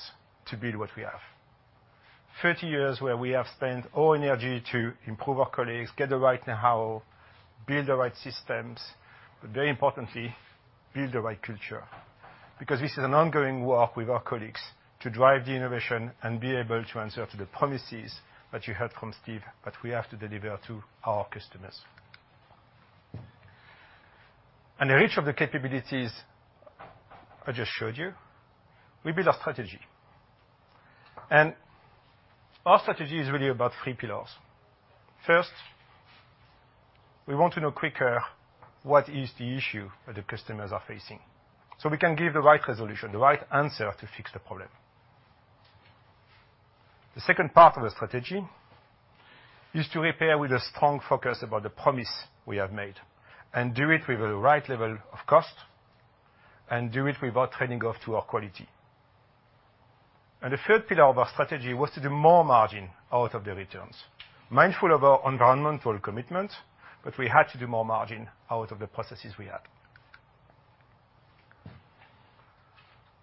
to build what we have. 30 years where we have spent all energy to improve our colleagues, get the right know-how, build the right systems, but very importantly, build the right culture. Because this is an ongoing work with our colleagues to drive the innovation and be able to answer to the promises that you heard from Steve, that we have to deliver to our customers. The reach of the capabilities I just showed you, we build our strategy. Our strategy is really about three pillars. First, we want to know quicker what is the issue that the customers are facing, so we can give the right resolution, the right answer to fix the problem. The second part of the strategy is to repair with a strong focus about the promise we have made and do it with the right level of cost and do it without trading off to our quality. The third pillar of our strategy was to do more margin out of the returns, mindful of our environmental commitment, but we had to do more margin out of the processes we had.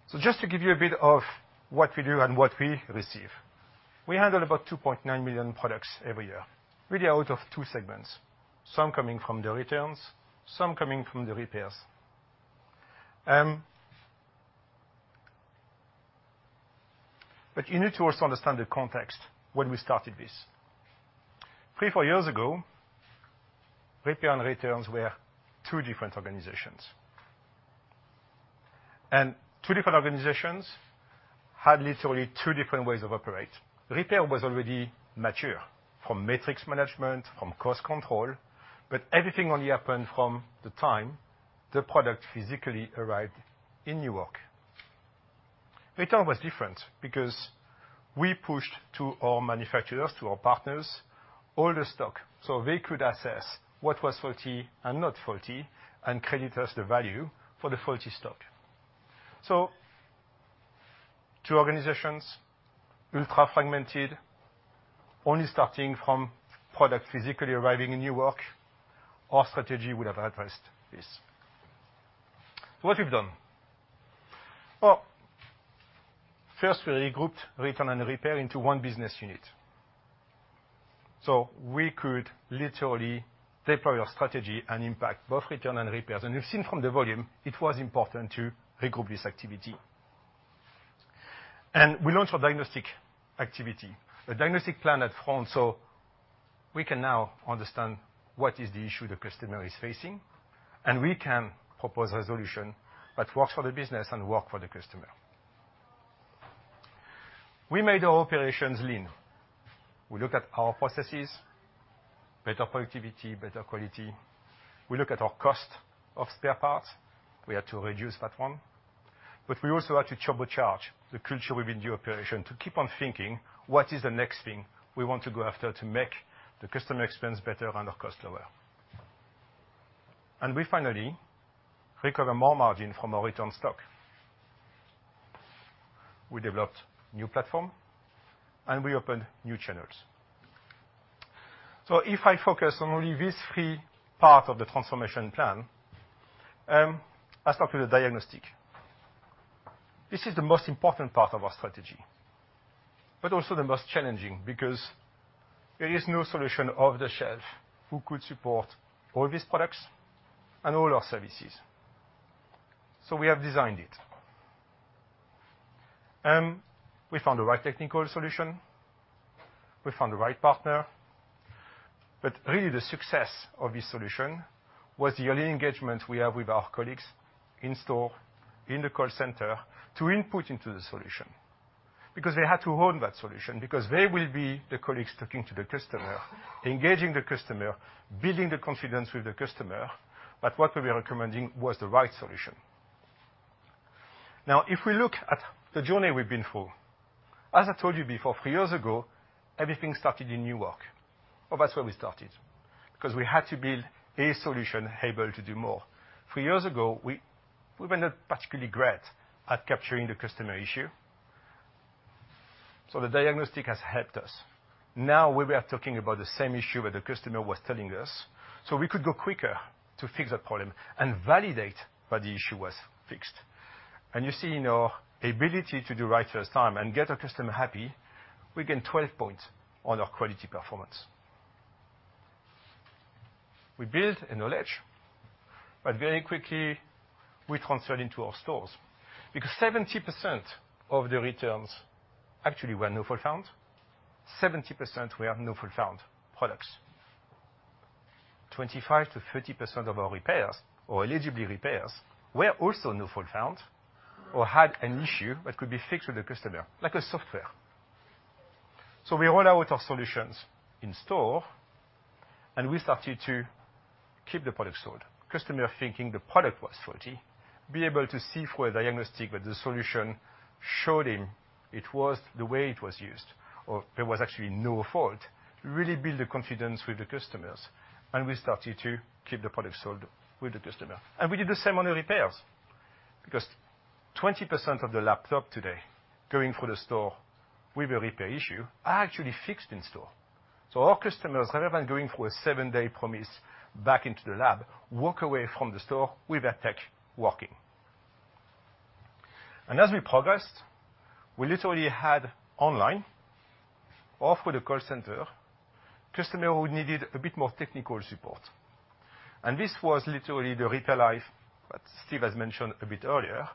So just to give you a bit of what we do and what we receive, we handle about 2.9 million products every year, really out of two segments, some coming from the returns, some coming from the repairs. But you need to also understand the context when we started this. 3-4 years ago, repair and returns were two different organizations. Two different organizations had literally two different ways of operate. Repair was already mature from metrics management, from cost control, but everything only happened from the time the product physically arrived in Newark. Return was different because we pushed to our manufacturers, to our partners, all the stock, so they could assess what was faulty and not faulty, and credit us the value for the faulty stock. Two organizations, ultra fragmented, only starting from product physically arriving in Newark. Our strategy would have addressed this. What we've done? Well, first, we regrouped return and repair into one business unit. We could literally deploy our strategy and impact both return and repairs. We've seen from the volume it was important to regroup this activity. We launched a diagnostic activity, a diagnostic plan at home, so we can now understand what is the issue the customer is facing, and we can propose a solution that works for the business and work for the customer. We made our operations lean. We looked at our processes, better productivity, better quality. We look at our cost of spare parts. We had to reduce that one. But we also had to turbocharge the culture within the operation, to keep on thinking, what is the next thing we want to go after to make the customer experience better and our cost lower? And we finally recover more margin from our return stock. We developed new platform, and we opened new channels. So if I focus on only this three part of the transformation plan, I start with the diagnostic. This is the most important part of our strategy, but also the most challenging, because there is no solution off the shelf who could support all these products and all our services. So we have designed it. We found the right technical solution, we found the right partner, but really the success of this solution was the early engagement we have with our colleagues in store, in the call center, to input into the solution. Because they had to own that solution, because they will be the colleagues talking to the customer, engaging the customer, building the confidence with the customer, that what we are recommending was the right solution. Now, if we look at the journey we've been through, as I told you before, three years ago, everything started in Newark. Well, that's where we started, because we had to build a solution able to do more. Three years ago, we were not particularly great at capturing the customer issue, so the diagnostic has helped us. Now we are talking about the same issue that the customer was telling us, so we could go quicker to fix the problem and validate that the issue was fixed. You see in our ability to do right first time and get our customer happy, we gained 12 points on our quality performance. We built a knowledge, but very quickly we transferred into our stores, because 70% of the returns actually were no fault found. 70% were no fault found products. 25%-30% of our repairs or eligibility repairs were also no fault found or had an issue that could be fixed with the customer, like a software. We roll out our solutions in store, and we started to keep the product sold. Customer thinking the product was faulty, be able to see through a diagnostic that the solution showed him it was the way it was used, or there was actually no fault, really build the confidence with the customers, and we started to keep the product sold with the customer. We did the same on the repairs, because 20% of the laptop today going through the store with a repair issue are actually fixed in store. So our customers, rather than going through a 7-day promise back into the lab, walk away from the store with their tech working. As we progressed, we literally had online or through the call center, customer who needed a bit more technical support. This was literally the retail life that Steve has mentioned a bit earlier,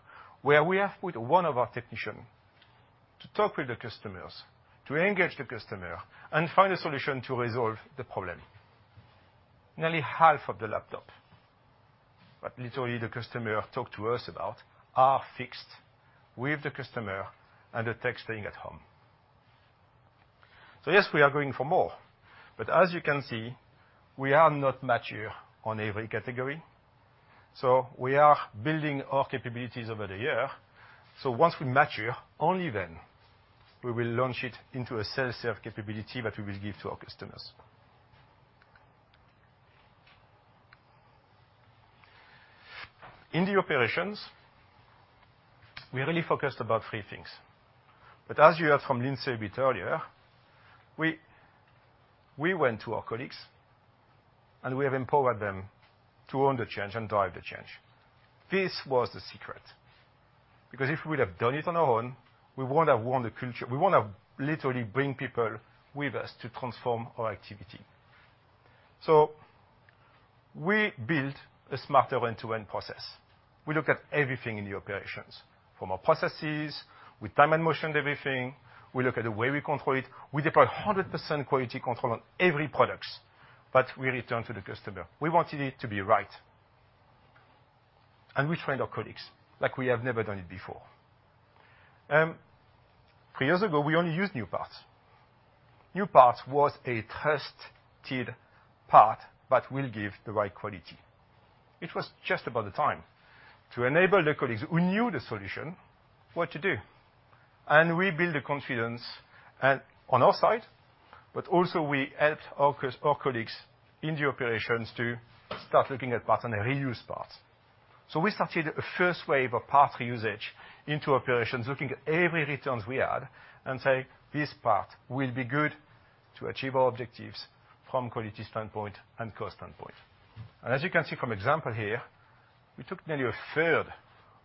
where we have put one of our technician to talk with the customers, to engage the customer and find a solution to resolve the problem. Nearly half of the laptop, that literally the customer talked to us about, are fixed with the customer and the tech staying at home. So yes, we are going for more, but as you can see, we are not mature on every category, so we are building our capabilities over the year. So once we mature, only then we will launch it into a self-serve capability that we will give to our customers. In the operations, we really focused about three things. As you heard from Lindsay a bit earlier, we went to our colleagues, and we have empowered them to own the change and drive the change. This was the secret, because if we would have done it on our own, we would not have won the culture. We would not have literally bring people with us to transform our activity. So we built a smarter end-to-end process. We look at everything in the operations, from our processes, we time and motioned everything, we look at the way we control it. We deploy 100% quality control on every products that we return to the customer. We wanted it to be right. We trained our colleagues like we have never done it before. Three years ago, we only used new parts. New parts was a trusted part that will give the right quality. It was just about the time to enable the colleagues who knew the solution what to do, and we build the confidence at on our side, but also we helped our our colleagues in the operations to start looking at parts and reuse parts. So we started a first wave of parts usage into operations, looking at every returns we had, and say, "This part will be good to achieve our objectives from quality standpoint and cost standpoint." And as you can see from example here, we took nearly a third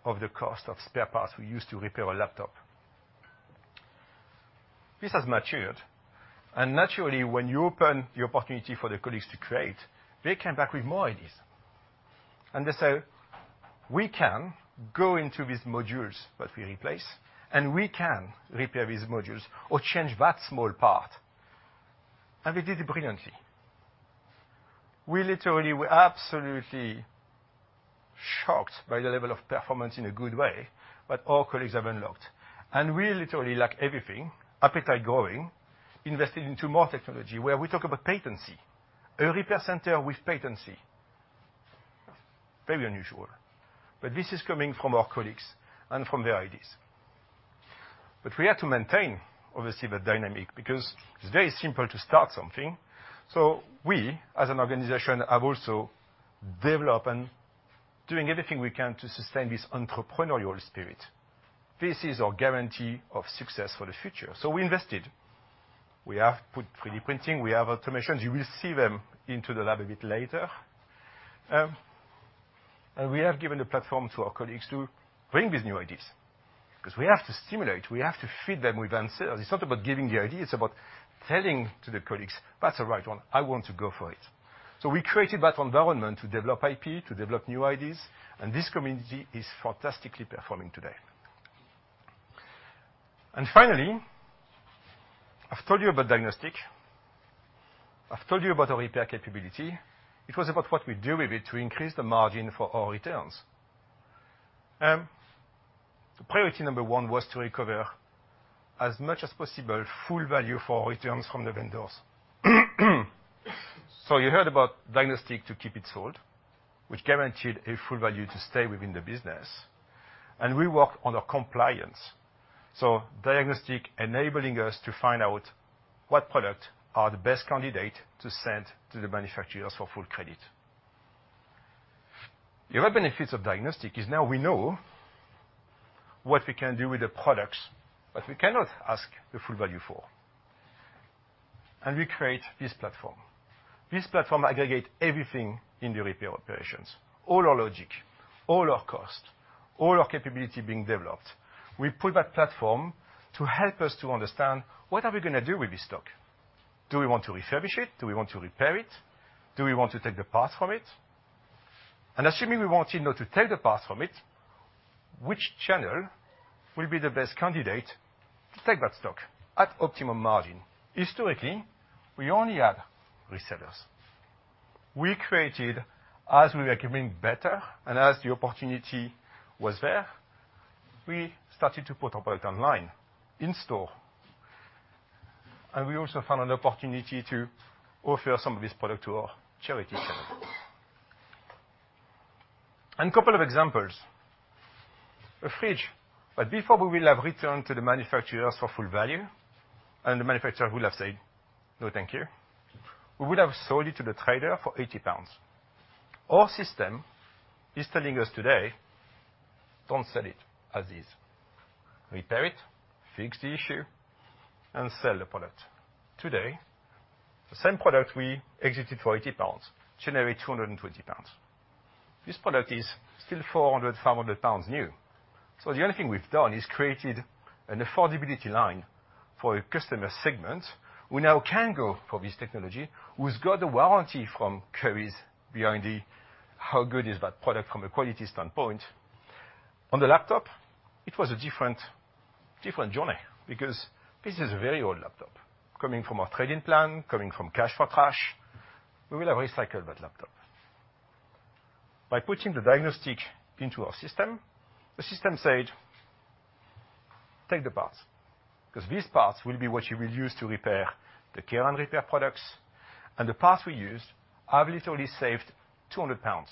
of the cost of spare parts we used to repair a laptop. This has matured, and naturally, when you open the opportunity for the colleagues to create, they came back with more ideas. They say, "We can go into these modules that we replace, and we can repair these modules or change that small part." They did it brilliantly. We literally were absolutely shocked by the level of performance, in a good way, but our colleagues have unlocked. We literally, like everything, appetite growing, invested into more technology, where we talk about potency, a repair center with potency. Very unusual, but this is coming from our colleagues and from their ideas. We had to maintain, obviously, the dynamic because it's very simple to start something. We, as an organization, have also developed and doing everything we can to sustain this entrepreneurial spirit. This is our guarantee of success for the future. We invested. We have put 3D printing, we have automations. You will see them into the lab a bit later. And we have given the platform to our colleagues to bring these new ideas, because we have to stimulate, we have to feed them with answers. It's not about giving the idea, it's about telling to the colleagues, "That's the right one. I want to go for it." So we created that environment to develop IP, to develop new ideas, and this community is fantastically performing today. And finally, I've told you about diagnostic, I've told you about our repair capability. It was about what we do with it to increase the margin for our returns. Priority number one was to recover as much as possible, full value for returns from the vendors. So you heard about diagnostic to keep it sold, which guaranteed a full value to stay within the business, and we worked on our compliance. So diagnostic enabling us to find out what product are the best candidate to send to the manufacturers for full credit. The other benefits of diagnostic is now we know what we can do with the products, but we cannot ask the full value for. And we create this platform. This platform aggregate everything in the repair operations, all our logic, all our cost, all our capability being developed. We put that platform to help us to understand what are we going to do with this stock? Do we want to refurbish it? Do we want to repair it? Do we want to take the parts from it? And assuming we wanted now to take the parts from it, which channel will be the best candidate to take that stock at optimum margin? Historically, we only had resellers. We created, as we were becoming better and as the opportunity was there, we started to put our product online, in store, and we also found an opportunity to offer some of this product to our charity channels. Couple of examples, a fridge, but before we will have returned to the manufacturers for full value, and the manufacturer would have said, "No, thank you," we would have sold it to the trader for 80 pounds. Our system is telling us today, "Don't sell it as is. Repair it, fix the issue, and sell the product." Today, the same product we exited for 80 pounds generate 220 pounds. This product is still 400-500 pounds new. So the only thing we've done is created an affordability line for a customer segment, who now can go for this technology, who's got the warranty from Currys behind it, how good is that product from a quality standpoint? On the laptop, it was a different, different journey because this is a very old laptop. Coming from our trade-in plan, coming from Cash for Trash, we will have recycled that laptop. By putting the diagnostic into our system, the system said, "Take the parts, because these parts will be what you will use to repair the Care & Repair products." And the parts we used have literally saved 200 pounds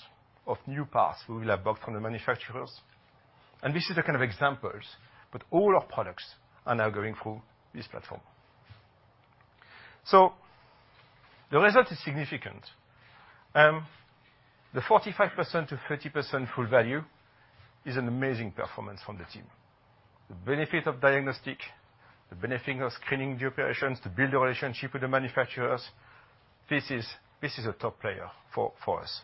of new parts we will have bought from the manufacturers, and this is the kind of examples, but all our products are now going through this platform. So the result is significant. The 45%-30% full value is an amazing performance from the team. The benefit of diagnostic, the benefit of screening the operations to build a relationship with the manufacturers, this is, this is a top player for, for us.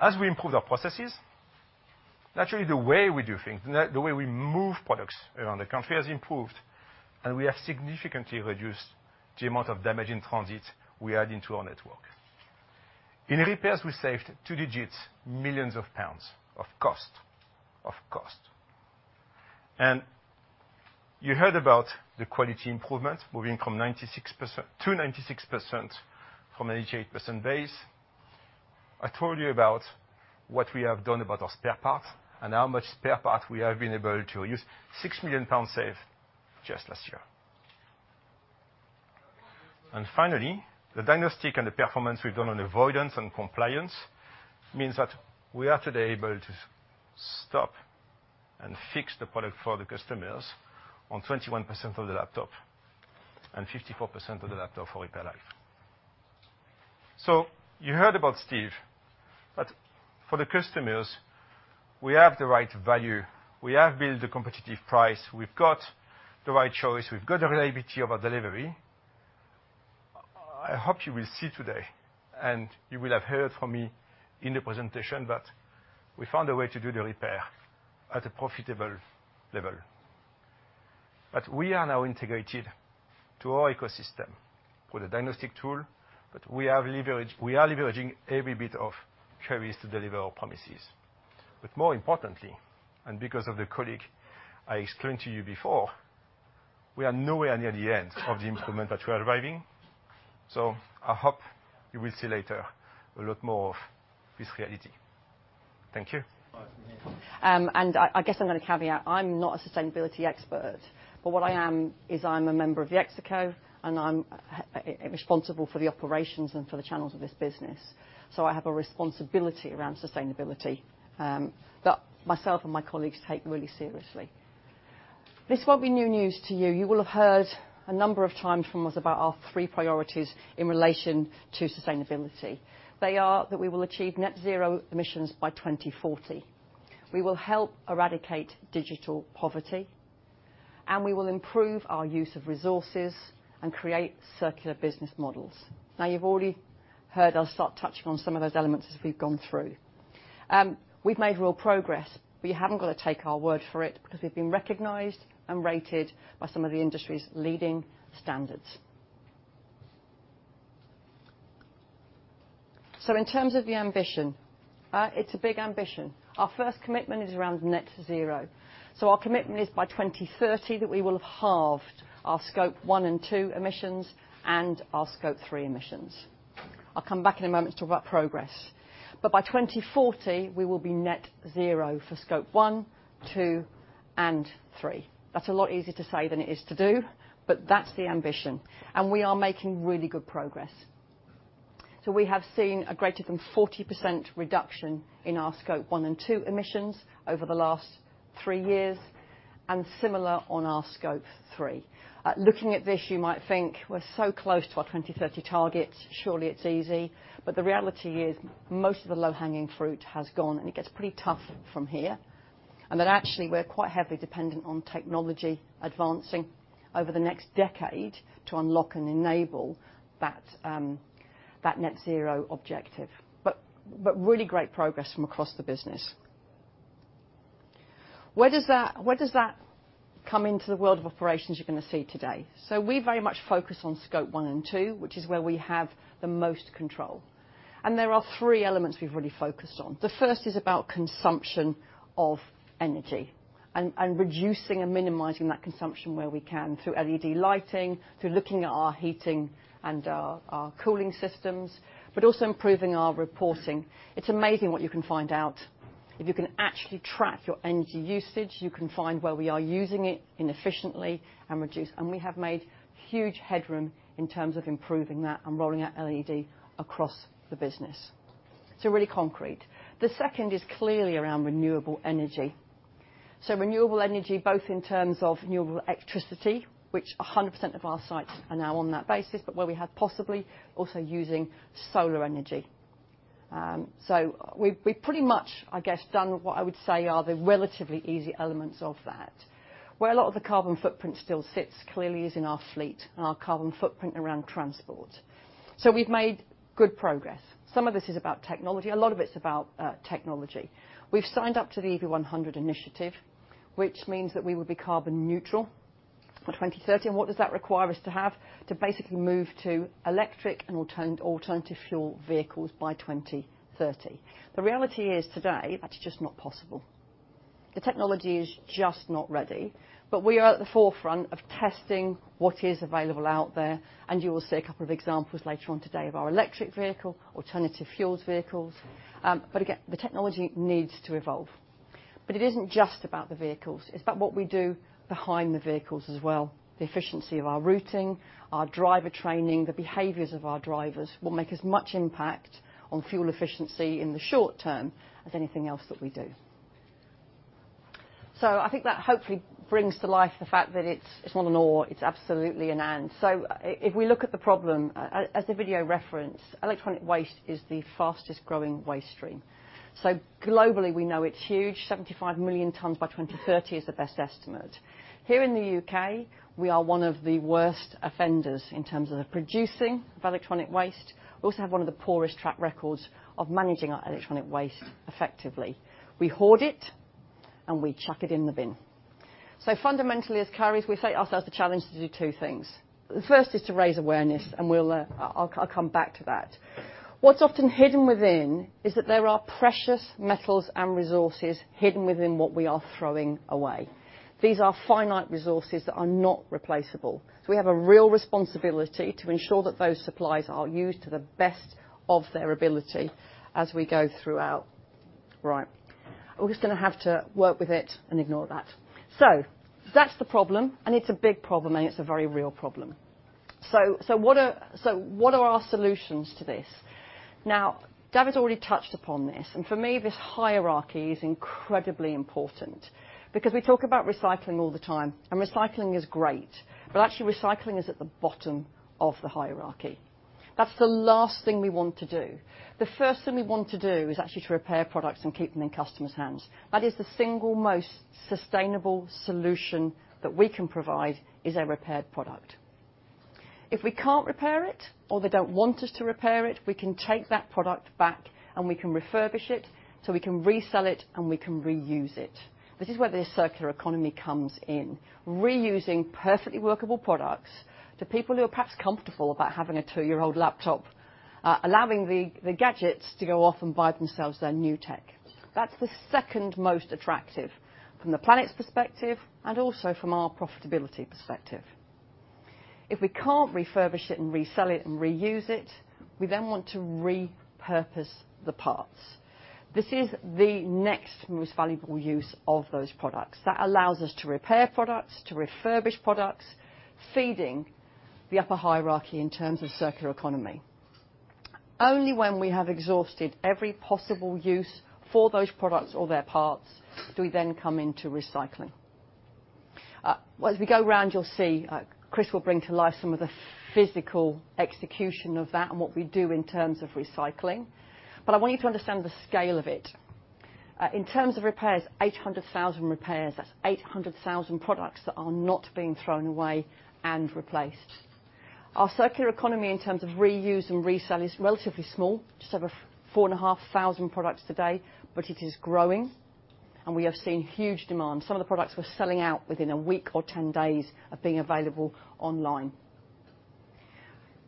As we improve our processes. Naturally, the way we do things, the, the way we move products around the country has improved, and we have significantly reduced the amount of damage in transit we add into our network. In repairs, we saved 2 digits, millions of GBP of cost. Of cost. And you heard about the quality improvement, moving from 96% to 96% from an 88% base. I told you about what we have done about our spare parts and how much spare parts we have been able to use. 6 million pounds saved just last year. And finally, the diagnostic and the performance we've done on avoidance and compliance means that we are today able to stop and fix the product for the customers on 21% of the laptop and 54% of the laptop for RepairLive. So you heard about Steve, but for the customers, we have the right value. We have built a competitive price. We've got the right choice. We've got the reliability of our delivery. I hope you will see today, and you will have heard from me in the presentation, that we found a way to do the repair at a profitable level. But we are now integrated to our ecosystem with a diagnostic tool, but we are leveraging every bit of Currys to deliver our promises. But more importantly, and because of the colleague I explained to you before, we are nowhere near the end of the improvement that we are driving. So I hope you will see later a lot more of this reality. Thank you. And I guess I'm going to caveat, I'm not a sustainability expert, but what I am is I'm a member of the ExCo, and I'm responsible for the operations and for the channels of this business. So I have a responsibility around sustainability, that myself and my colleagues take really seriously. This won't be new news to you. You will have heard a number of times from us about our three priorities in relation to sustainability. They are that we will achieve Net Zero emissions by 2040. We will help eradicate Digital Poverty, and we will improve our use of resources and create circular business models. Now, you've already heard us start touching on some of those elements as we've gone through. We've made real progress, but you haven't got to take our word for it, because we've been recognized and rated by some of the industry's leading standards. So in terms of the ambition, it's a big ambition. Our first commitment is around Net Zero. So our commitment is by 2030, that we will have halved our Scope 1 and 2 emissions and our Scope 3 emissions. I'll come back in a moment to talk about progress. But by 2040, we will be Net Zero for Scope 1, 2, and 3. That's a lot easier to say than it is to do, but that's the ambition, and we are making really good progress. So we have seen a greater than 40% reduction in our Scope 1 and 2 emissions over the last three years, and similar on our Scope 3. Looking at this, you might think we're so close to our 2030 target, surely it's easy. But the reality is, most of the low-hanging fruit has gone, and it gets pretty tough from here, and that actually, we're quite heavily dependent on technology advancing over the next decade to unlock and enable that Net Zero objective. But really great progress from across the business. Where does that come into the world of operations you're going to see today? So we very much focus on Scope 1 and 2, which is where we have the most control, and there are three elements we've really focused on. The first is about consumption of energy and reducing and minimizing that consumption where we can, through LED lighting, through looking at our heating and our cooling systems, but also improving our reporting. It's amazing what you can find out. If you can actually track your energy usage, you can find where we are using it inefficiently and reduce. And we have made huge headroom in terms of improving that and rolling out LED across the business. So really concrete. The second is clearly around renewable energy. So renewable energy, both in terms of renewable electricity, which 100% of our sites are now on that basis, but where we have possibly, also using solar energy. So we've pretty much, I guess, done what I would say are the relatively easy elements of that. Where a lot of the carbon footprint still sits, clearly, is in our fleet and our carbon footprint around transport. So we've made good progress. Some of this is about technology. A lot of it's about technology. We've signed up to the EV100 initiative, which means that we will be carbon neutral by 2030. And what does that require us to have? To basically move to electric and alternative fuel vehicles by 2030. The reality is today, that's just not possible. The technology is just not ready, but we are at the forefront of testing what is available out there, and you will see a couple of examples later on today of our electric vehicle, alternative fuels vehicles. But again, the technology needs to evolve. But it isn't just about the vehicles, it's about what we do behind the vehicles as well. The efficiency of our routing, our driver training, the behaviors of our drivers will make as much impact on fuel efficiency in the short term as anything else that we do. So I think that hopefully brings to life the fact that it's, it's not an or, it's absolutely an and. So if we look at the problem, as the video referenced, electronic waste is the fastest-growing waste stream. So globally, we know it's huge. 75 million tons by 2030 is the best estimate. Here in the U.K., we are one of the worst offenders in terms of the producing of electronic waste. We also have one of the poorest track records of managing our electronic waste effectively. We hoard it, and we chuck it in the bin.... So fundamentally, as Currys, we set ourselves the challenge to do two things. The first is to raise awareness, and we'll, I'll, I'll come back to that. What's often hidden within is that there are precious metals and resources hidden within what we are throwing away. These are finite resources that are not replaceable. So we have a real responsibility to ensure that those supplies are used to the best of their ability as we go throughout. Right. We're just going to have to work with it and ignore that. So that's the problem, and it's a big problem, and it's a very real problem. So what are our solutions to this? Now, David's already touched upon this, and for me, this hierarchy is incredibly important because we talk about recycling all the time, and recycling is great, but actually, recycling is at the bottom of the hierarchy. That's the last thing we want to do. The first thing we want to do is actually to repair products and keep them in customers' hands. That is the single most sustainable solution that we can provide is a repaired product. If we can't repair it or they don't want us to repair it, we can take that product back, and we can refurbish it, so we can resell it, and we can reuse it. This is where the circular economy comes in. Reusing perfectly workable products to people who are perhaps comfortable about having a two-year-old laptop, allowing the gadgets to go off and buy themselves their new tech. That's the second most attractive from the planet's perspective and also from our profitability perspective. If we can't refurbish it and resell it and reuse it, we then want to repurpose the parts. This is the next most valuable use of those products. That allows us to repair products, to refurbish products, feeding the upper hierarchy in terms of circular economy. Only when we have exhausted every possible use for those products or their parts, do we then come into recycling. As we go round, you'll see, Chris will bring to life some of the physical execution of that and what we do in terms of recycling. But I want you to understand the scale of it. In terms of repairs, 800,000 repairs. That's 800,000 products that are not being thrown away and replaced. Our circular economy in terms of reuse and resell is relatively small, just over 4,500 products today, but it is growing, and we have seen huge demand. Some of the products were selling out within a week or 10 days of being available online.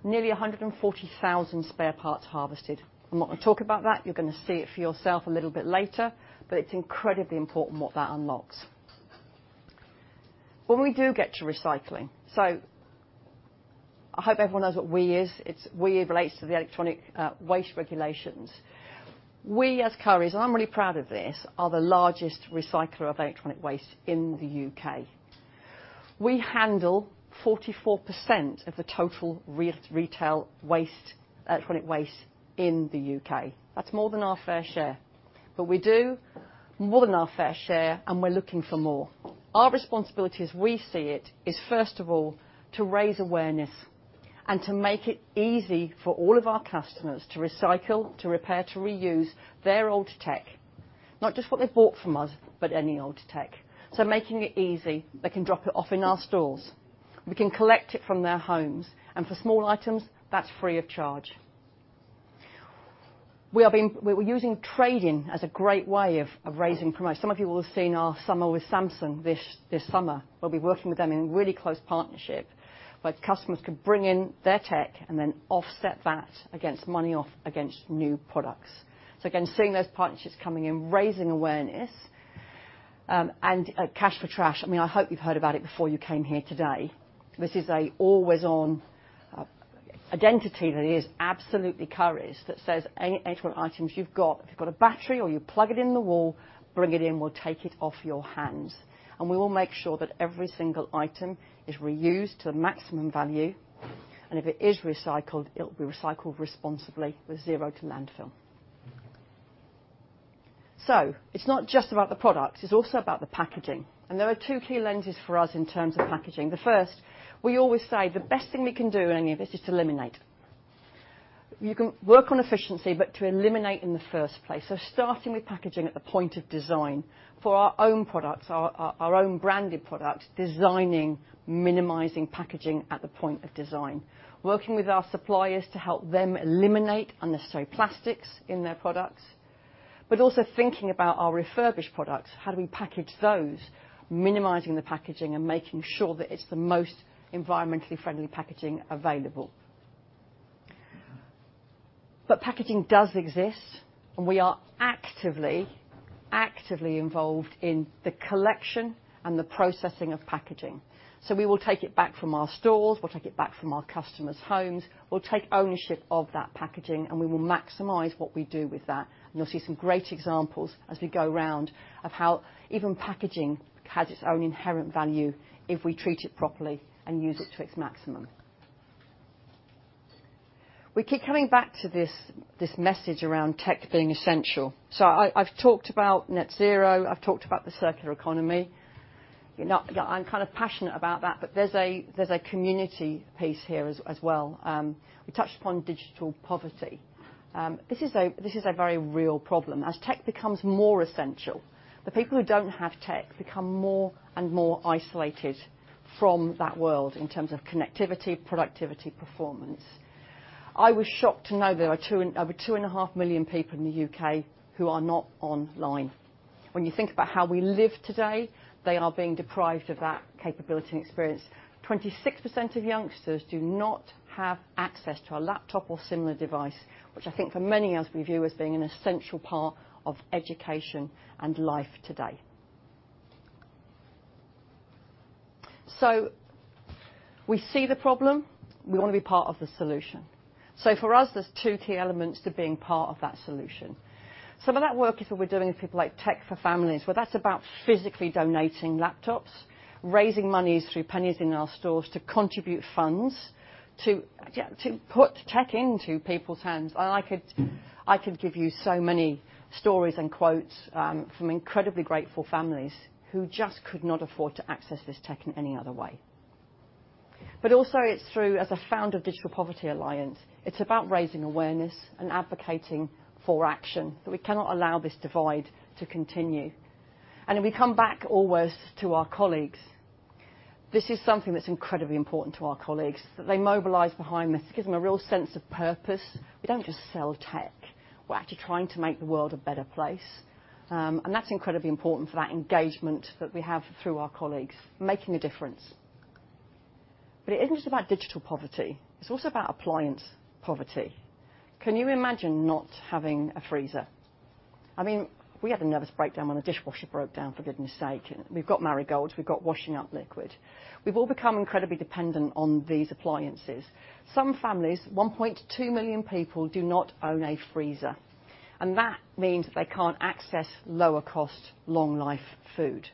Nearly 140,000 spare parts harvested. I'm not going to talk about that. You're going to see it for yourself a little bit later, but it's incredibly important what that unlocks. When we do get to recycling... So I hope everyone knows what WEEE is. It's, WEEE relates to the electronic, waste regulations. We, as Currys, and I'm really proud of this, are the largest recycler of electronic waste in the UK. We handle 44% of the total retail waste, electronic waste in the UK. That's more than our fair share, but we do more than our fair share, and we're looking for more. Our responsibility, as we see it, is, first of all, to raise awareness and to make it easy for all of our customers to recycle, to repair, to reuse their old tech. Not just what they bought from us, but any old tech. So making it easy, they can drop it off in our stores. We can collect it from their homes, and for small items, that's free of charge. We're using trade-in as a great way of raising promote. Some of you will have seen our Summer with Samsung this summer. We'll be working with them in really close partnership, where customers can bring in their tech and then offset that against money off, against new products. So again, seeing those partnerships coming in, raising awareness, and Cash for Trash, I mean, I hope you've heard about it before you came here today. This is an always-on identity that is absolutely Currys, that says, "Any electronic items you've got, if you've got a battery or you plug it in the wall, bring it in, we'll take it off your hands." We will make sure that every single item is reused to the maximum value, and if it is recycled, it will be recycled responsibly with zero to landfill. It's not just about the product, it's also about the packaging. There are two key lenses for us in terms of packaging. The first, we always say, the best thing we can do in any of this is to eliminate. You can work on efficiency, but to eliminate in the first place. Starting with packaging at the point of design for our own products, our own branded products, designing, minimizing packaging at the point of design. Working with our suppliers to help them eliminate unnecessary plastics in their products, but also thinking about our refurbished products, how do we package those, minimizing the packaging and making sure that it's the most environmentally friendly packaging available. But packaging does exist, and we are actively, actively involved in the collection and the processing of packaging. So we will take it back from our stores, we'll take it back from our customers' homes. We'll take ownership of that packaging, and we will maximize what we do with that. And you'll see some great examples as we go around of how even packaging has its own inherent value if we treat it properly and use it to its maximum. We keep coming back to this, this message around tech being essential. So I, I've talked about Net Zero, I've talked about the Circular Economy. You know, I'm kind of passionate about that, but there's a, there's a community piece here as well. We touched upon digital poverty. This is a very real problem. As tech becomes more essential, the people who don't have tech become more and more isolated from that world in terms of connectivity, productivity, performance. I was shocked to know there are two and, over 2.5 million people in the U.K. who are not online. When you think about how we live today, they are being deprived of that capability and experience. 26% of youngsters do not have access to a laptop or similar device, which I think for many of us, we view as being an essential part of education and life today. We see the problem. We want to be part of the solution. So for us, there's two key elements to being part of that solution. Some of that work is what we're doing with people like Tech4Families, where that's about physically donating laptops, raising money through pennies in our stores to contribute funds, to, yeah, to put tech into people's hands. And I could, I could give you so many stories and quotes, from incredibly grateful families who just could not afford to access this tech in any other way. But also, it's through, as a founder of Digital Poverty Alliance, it's about raising awareness and advocating for action, that we cannot allow this divide to continue. And if we come back always to our colleagues, this is something that's incredibly important to our colleagues, that they mobilize behind this. It gives them a real sense of purpose. We don't just sell tech, we're actually trying to make the world a better place. And that's incredibly important for that engagement that we have through our colleagues, making a difference. But it isn't just about digital poverty, it's also about appliance poverty. Can you imagine not having a freezer? I mean, we had a nervous breakdown when the dishwasher broke down, for goodness sake. And we've got Marigolds, we've got washing up liquid. We've all become incredibly dependent on these appliances. Some families, 1.2 million people, do not own a freezer, and that means they can't access lower cost, long life food.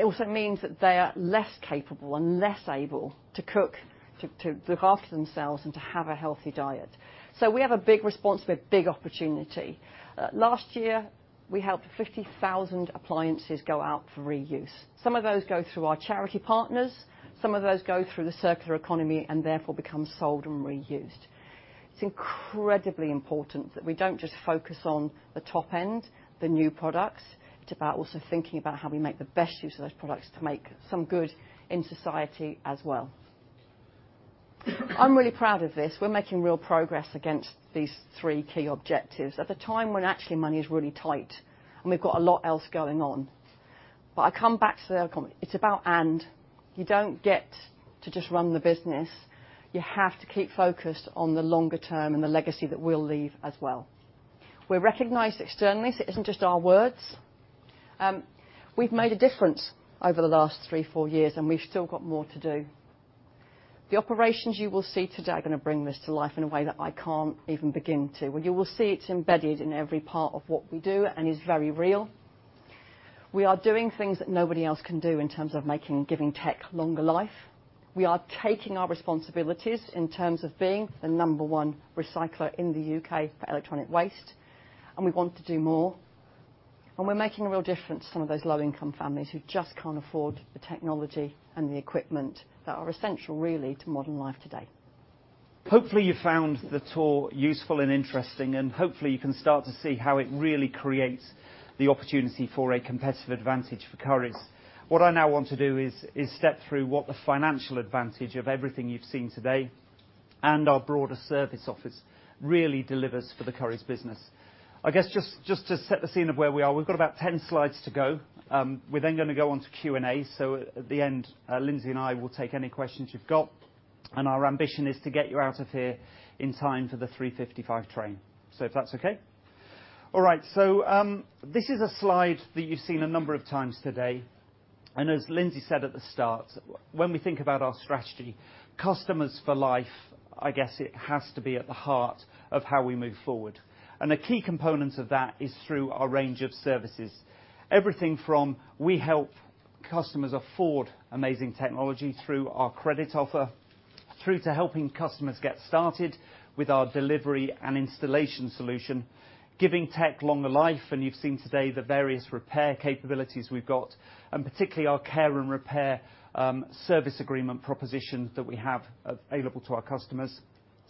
It also means that they are less capable and less able to cook, to look after themselves, and to have a healthy diet. So we have a big response to a big opportunity. Last year, we helped 50,000 appliances go out for reuse. Some of those go through our charity partners, some of those go through the circular economy, and therefore, become sold and reused. It's incredibly important that we don't just focus on the top end, the new products. It's about also thinking about how we make the best use of those products to make some good in society as well. I'm really proud of this. We're making real progress against these three key objectives at a time when actually money is really tight and we've got a lot else going on. But I come back to the other comment. It's about and. You don't get to just run the business, you have to keep focused on the longer term and the legacy that we'll leave as well. We're recognized externally, so it isn't just our words. We've made a difference over the last 3, 4 years, and we've still got more to do. The operations you will see today are going to bring this to life in a way that I can't even begin to. Well, you will see it's embedded in every part of what we do and is very real. We are doing things that nobody else can do in terms of making and giving tech longer life. We are taking our responsibilities in terms of being the number one recycler in the UK for electronic waste, and we want to do more. And we're making a real difference to some of those low-income families who just can't afford the technology and the equipment that are essential, really, to modern life today. Hopefully, you found the tour useful and interesting, and hopefully, you can start to see how it really creates the opportunity for a competitive advantage for Currys. What I now want to do is step through what the financial advantage of everything you've seen today, and our broader service office really delivers for the Currys business. I guess, just to set the scene of where we are, we've got about 10 slides to go. We're then going to go on to Q&A. At the end, Lindsay and I will take any questions you've got, and our ambition is to get you out of here in time for the 3:55 train. If that's okay? All right, this is a slide that you've seen a number of times today, and as Lindsay said at the start, when we think about our strategy, customers for life, I guess, it has to be at the heart of how we move forward. A key component of that is through our range of services. Everything from we help customers afford amazing technology through our credit offer, through to helping customers get started with our delivery and installation solution, giving tech longer life. You've seen today the various repair capabilities we've got, and particularly our Care & Repair service agreement propositions that we have available to our customers.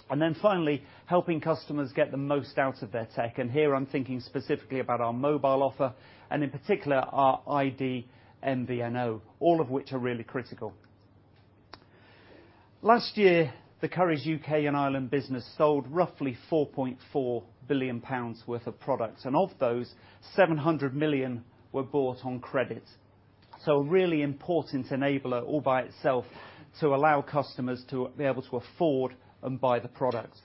Finally, helping customers get the most out of their tech. Here, I'm thinking specifically about our mobile offer, and in particular, our iD MVNO, all of which are really critical. Last year, the Currys UK and Ireland business sold roughly 4.4 billion pounds worth of products, and of those, 700 million were bought on credit. So a really important enabler all by itself to allow customers to be able to afford and buy the products.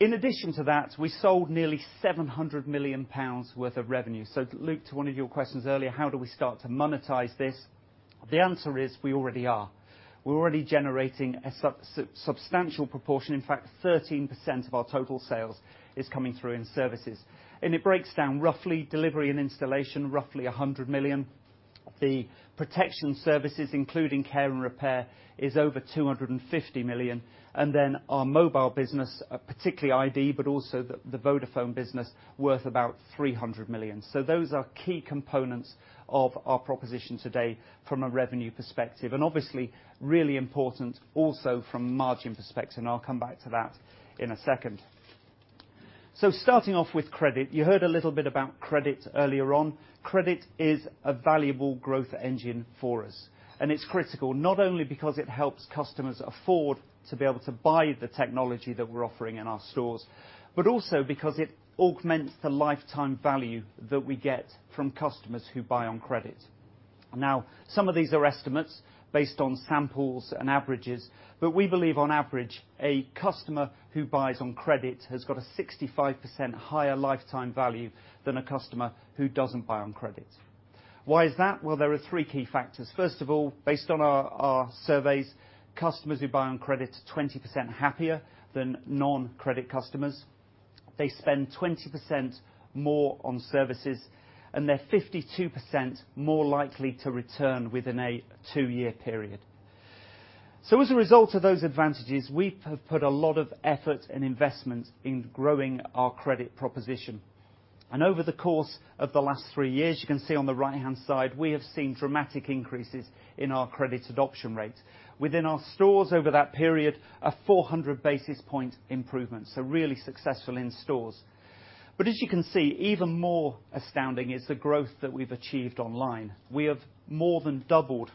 In addition to that, we sold nearly 700 million pounds worth of revenue. So Luke, to one of your questions earlier, how do we start to monetize this? The answer is, we already are. We're already generating a substantial proportion. In fact, 13% of our total sales is coming through in services. And it breaks down, roughly delivery and installation, roughly 100 million. The protection services, including Care & Repair, is over 250 million. And then our mobile business, particularly iD, but also the Vodafone business, worth about 300 million. So those are key components of our proposition today from a revenue perspective, and obviously, really important also from a margin perspective, and I'll come back to that in a second... So starting off with credit, you heard a little bit about credit earlier on. Credit is a valuable growth engine for us, and it's critical not only because it helps customers afford to be able to buy the technology that we're offering in our stores, but also because it augments the lifetime value that we get from customers who buy on credit. Now, some of these are estimates based on samples and averages, but we believe, on average, a customer who buys on credit has got a 65% higher lifetime value than a customer who doesn't buy on credit. Why is that? Well, there are three key factors. First of all, based on our surveys, customers who buy on credit are 20% happier than non-credit customers. They spend 20% more on services, and they're 52% more likely to return within a two-year period. So as a result of those advantages, we have put a lot of effort and investment in growing our credit proposition. And over the course of the last 3 years, you can see on the right-hand side, we have seen dramatic increases in our credit adoption rate. Within our stores over that period, a 400 basis point improvement, so really successful in stores. But as you can see, even more astounding is the growth that we've achieved online. We have more than doubled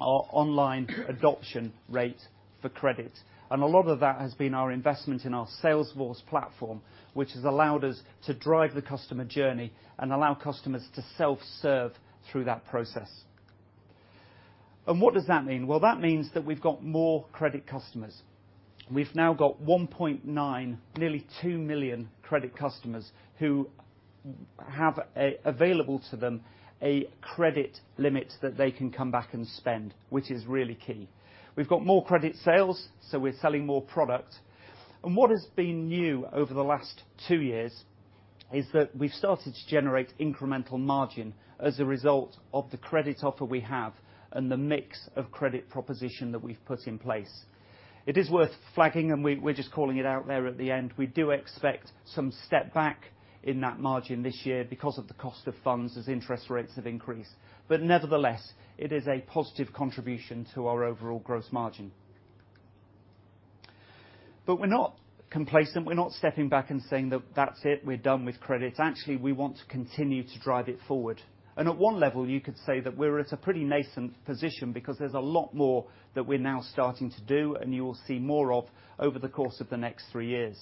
our online adoption rate for credit, and a lot of that has been our investment in our Salesforce platform, which has allowed us to drive the customer journey and allow customers to self-serve through that process. What does that mean? Well, that means that we've got more credit customers. We've now got 1.9, nearly 2 million credit customers who have available to them a credit limit that they can come back and spend, which is really key. We've got more credit sales, so we're selling more product. What has been new over the last two years is that we've started to generate incremental margin as a result of the credit offer we have and the mix of credit proposition that we've put in place. It is worth flagging, we're just calling it out there at the end, we do expect some step back in that margin this year because of the cost of funds as interest rates have increased. But nevertheless, it is a positive contribution to our overall gross margin. But we're not complacent. We're not stepping back and saying that, "That's it, we're done with credit." Actually, we want to continue to drive it forward. And at one level, you could say that we're at a pretty nascent position because there's a lot more that we're now starting to do and you will see more of over the course of the next three years.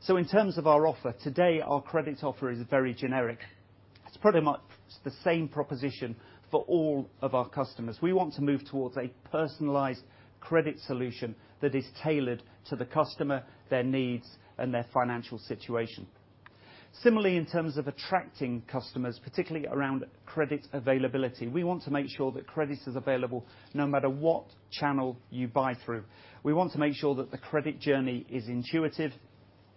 So in terms of our offer, today, our credit offer is very generic. It's pretty much the same proposition for all of our customers. We want to move towards a personalized credit solution that is tailored to the customer, their needs, and their financial situation. Similarly, in terms of attracting customers, particularly around credit availability, we want to make sure that credit is available no matter what channel you buy through. We want to make sure that the credit journey is intuitive,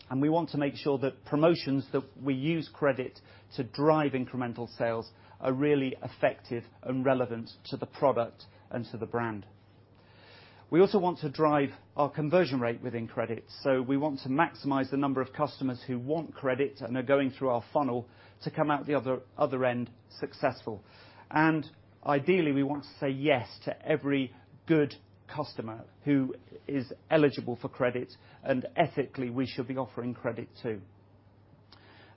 and we want to make sure that promotions that we use credit to drive incremental sales are really effective and relevant to the product and to the brand. We also want to drive our conversion rate within credit, so we want to maximize the number of customers who want credit and are going through our funnel to come out the other, other end successful. And ideally, we want to say yes to every good customer who is eligible for credit and ethically, we should be offering credit to.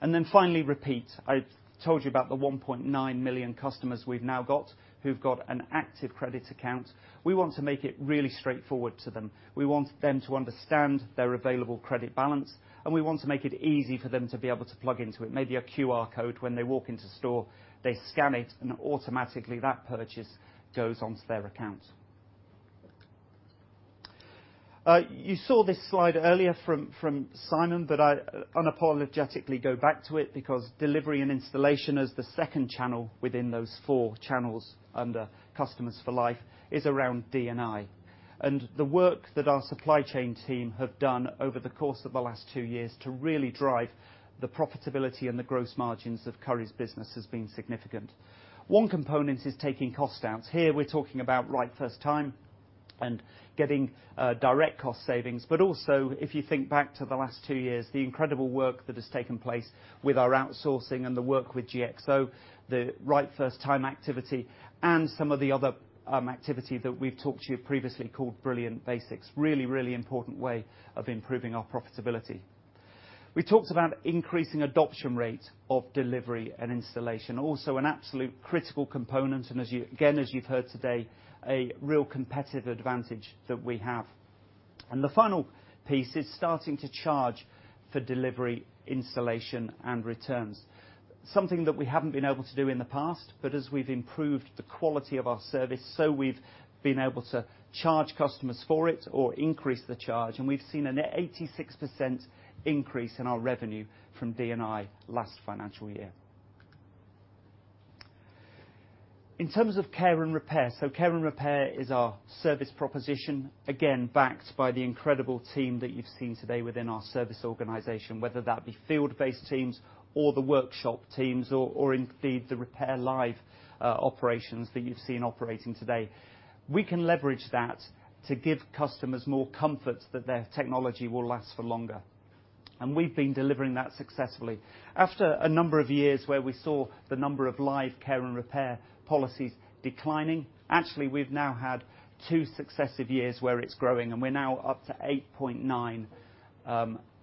And then finally, repeat. I told you about the 1.9 million customers we've now got who've got an active credit account. We want to make it really straightforward to them. We want them to understand their available credit balance, and we want to make it easy for them to be able to plug into it. Maybe a QR code when they walk into store, they scan it, and automatically, that purchase goes onto their account. You saw this slide earlier from Simon, but I unapologetically go back to it because delivery and installation is the second channel within those four channels under Customers for Life is around D&I. And the work that our supply chain team have done over the course of the last two years to really drive the profitability and the gross margins of Currys' business has been significant. One component is taking costs out. Here, we're talking about right first time and getting direct cost savings. But also, if you think back to the last two years, the incredible work that has taken place with our outsourcing and the work with GXO, the right first time activity, and some of the other activity that we've talked to you previously called Brilliant Basics. Really, really important way of improving our profitability. We talked about increasing adoption rate of delivery and installation. Also an absolute critical component, and as you, again, as you've heard today, a real competitive advantage that we have. And the final piece is starting to charge for delivery, installation, and returns. Something that we haven't been able to do in the past, but as we've improved the quality of our service, we've been able to charge customers for it or increase the charge, and we've seen an 86% increase in our revenue from D&I last financial year. In terms of Care & Repair, Care & Repair is our service proposition, again, backed by the incredible team that you've seen today within our service organization, whether that be field-based teams or the workshop teams or, or indeed, the RepairLive operations that you've seen operating today. We can leverage that to give customers more comfort that their technology will last for longer, and we've been delivering that successfully. After a number of years where we saw the number of live Care & Repair policies declining, actually, we've now had two successive years where it's growing, and we're now up to 8.9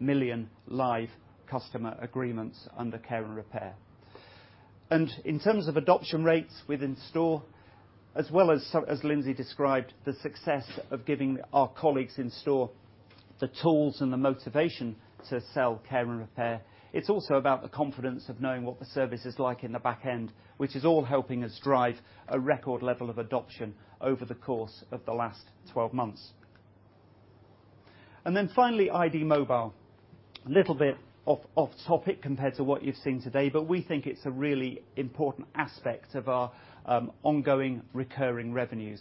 million live customer agreements under Care & Repair. In terms of adoption rates within store, as well as so, as Lindsay described, the success of giving our colleagues in store the tools and the motivation to sell Care & Repair, it's also about the confidence of knowing what the service is like in the back end, which is all helping us drive a record level of adoption over the course of the last 12 months. Then finally, iD Mobile. A little bit off topic compared to what you've seen today, but we think it's a really important aspect of our ongoing recurring revenues.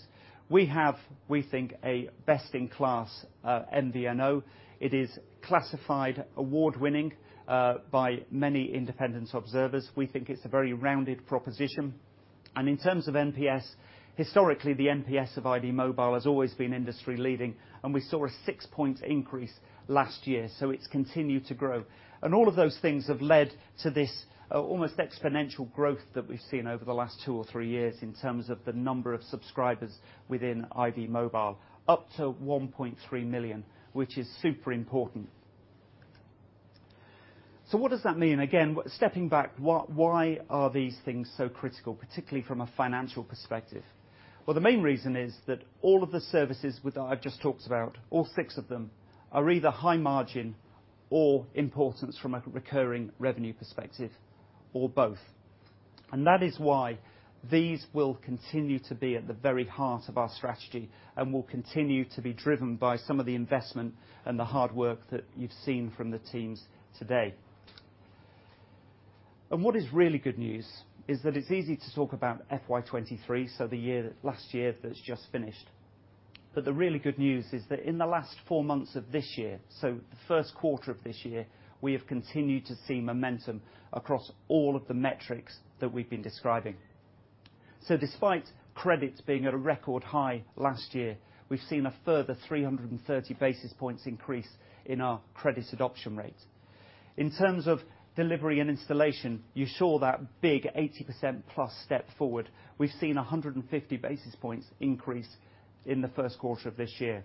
We have, we think, a best-in-class, MVNO. It is classified award-winning, by many independent observers. We think it's a very rounded proposition. And in terms of NPS, historically, the NPS of iD Mobile has always been industry-leading, and we saw a six-point increase last year, so it's continued to grow. And all of those things have led to this, almost exponential growth that we've seen over the last two or three years in terms of the number of subscribers within iD Mobile, up to 1.3 million, which is super important. So what does that mean? Again, stepping back, why, why are these things so critical, particularly from a financial perspective? Well, the main reason is that all of the services which I've just talked about, all six of them, are either high margin or important from a recurring revenue perspective, or both. That is why these will continue to be at the very heart of our strategy and will continue to be driven by some of the investment and the hard work that you've seen from the teams today. What is really good news is that it's easy to talk about FY 2023, so the year, last year that's just finished. But the really good news is that in the last 4 months of this year, so the first quarter of this year, we have continued to see momentum across all of the metrics that we've been describing. So despite credits being at a record high last year, we've seen a further 330 basis points increase in our credit adoption rate. In terms of delivery and installation, you saw that big 80%+ step forward. We've seen 150 basis points increase in the first quarter of this year.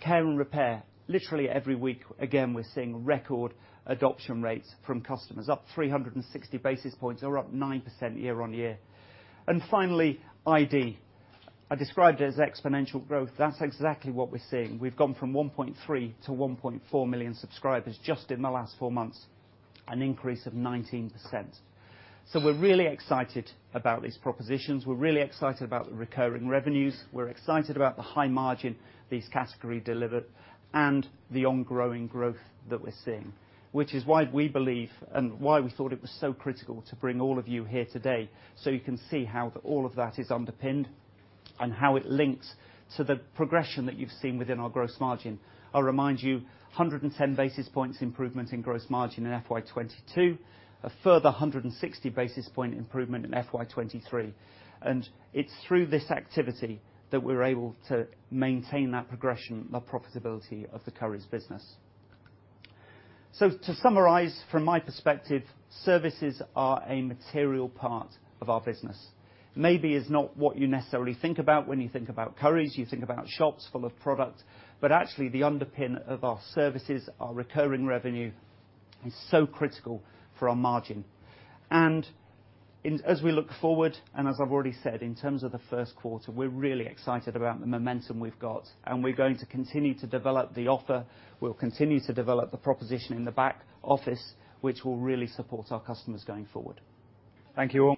Care & Repair, literally every week, again, we're seeing record adoption rates from customers, up 360 basis points or up 9% year-on-year. And finally, ID. I described it as exponential growth. That's exactly what we're seeing. We've gone from 1.3 to 1.4 million subscribers just in the last four months, an increase of 19%. So we're really excited about these propositions. We're really excited about the recurring revenues. We're excited about the high margin these category delivered and the ongoing growth that we're seeing, which is why we believe and why we thought it was so critical to bring all of you here today, so you can see how all of that is underpinned and how it links to the progression that you've seen within our gross margin. I'll remind you, 110 basis points improvement in gross margin in FY 2022, a further 160 basis point improvement in FY 2023. And it's through this activity that we're able to maintain that progression, the profitability of the Currys business. So to summarize, from my perspective, services are a material part of our business. Maybe it's not what you necessarily think about when you think about Currys. You think about shops full of product, but actually, the underpin of our services, our recurring revenue, is so critical for our margin. And as we look forward, and as I've already said, in terms of the first quarter, we're really excited about the momentum we've got, and we're going to continue to develop the offer. We'll continue to develop the proposition in the back office, which will really support our customers going forward. Thank you all.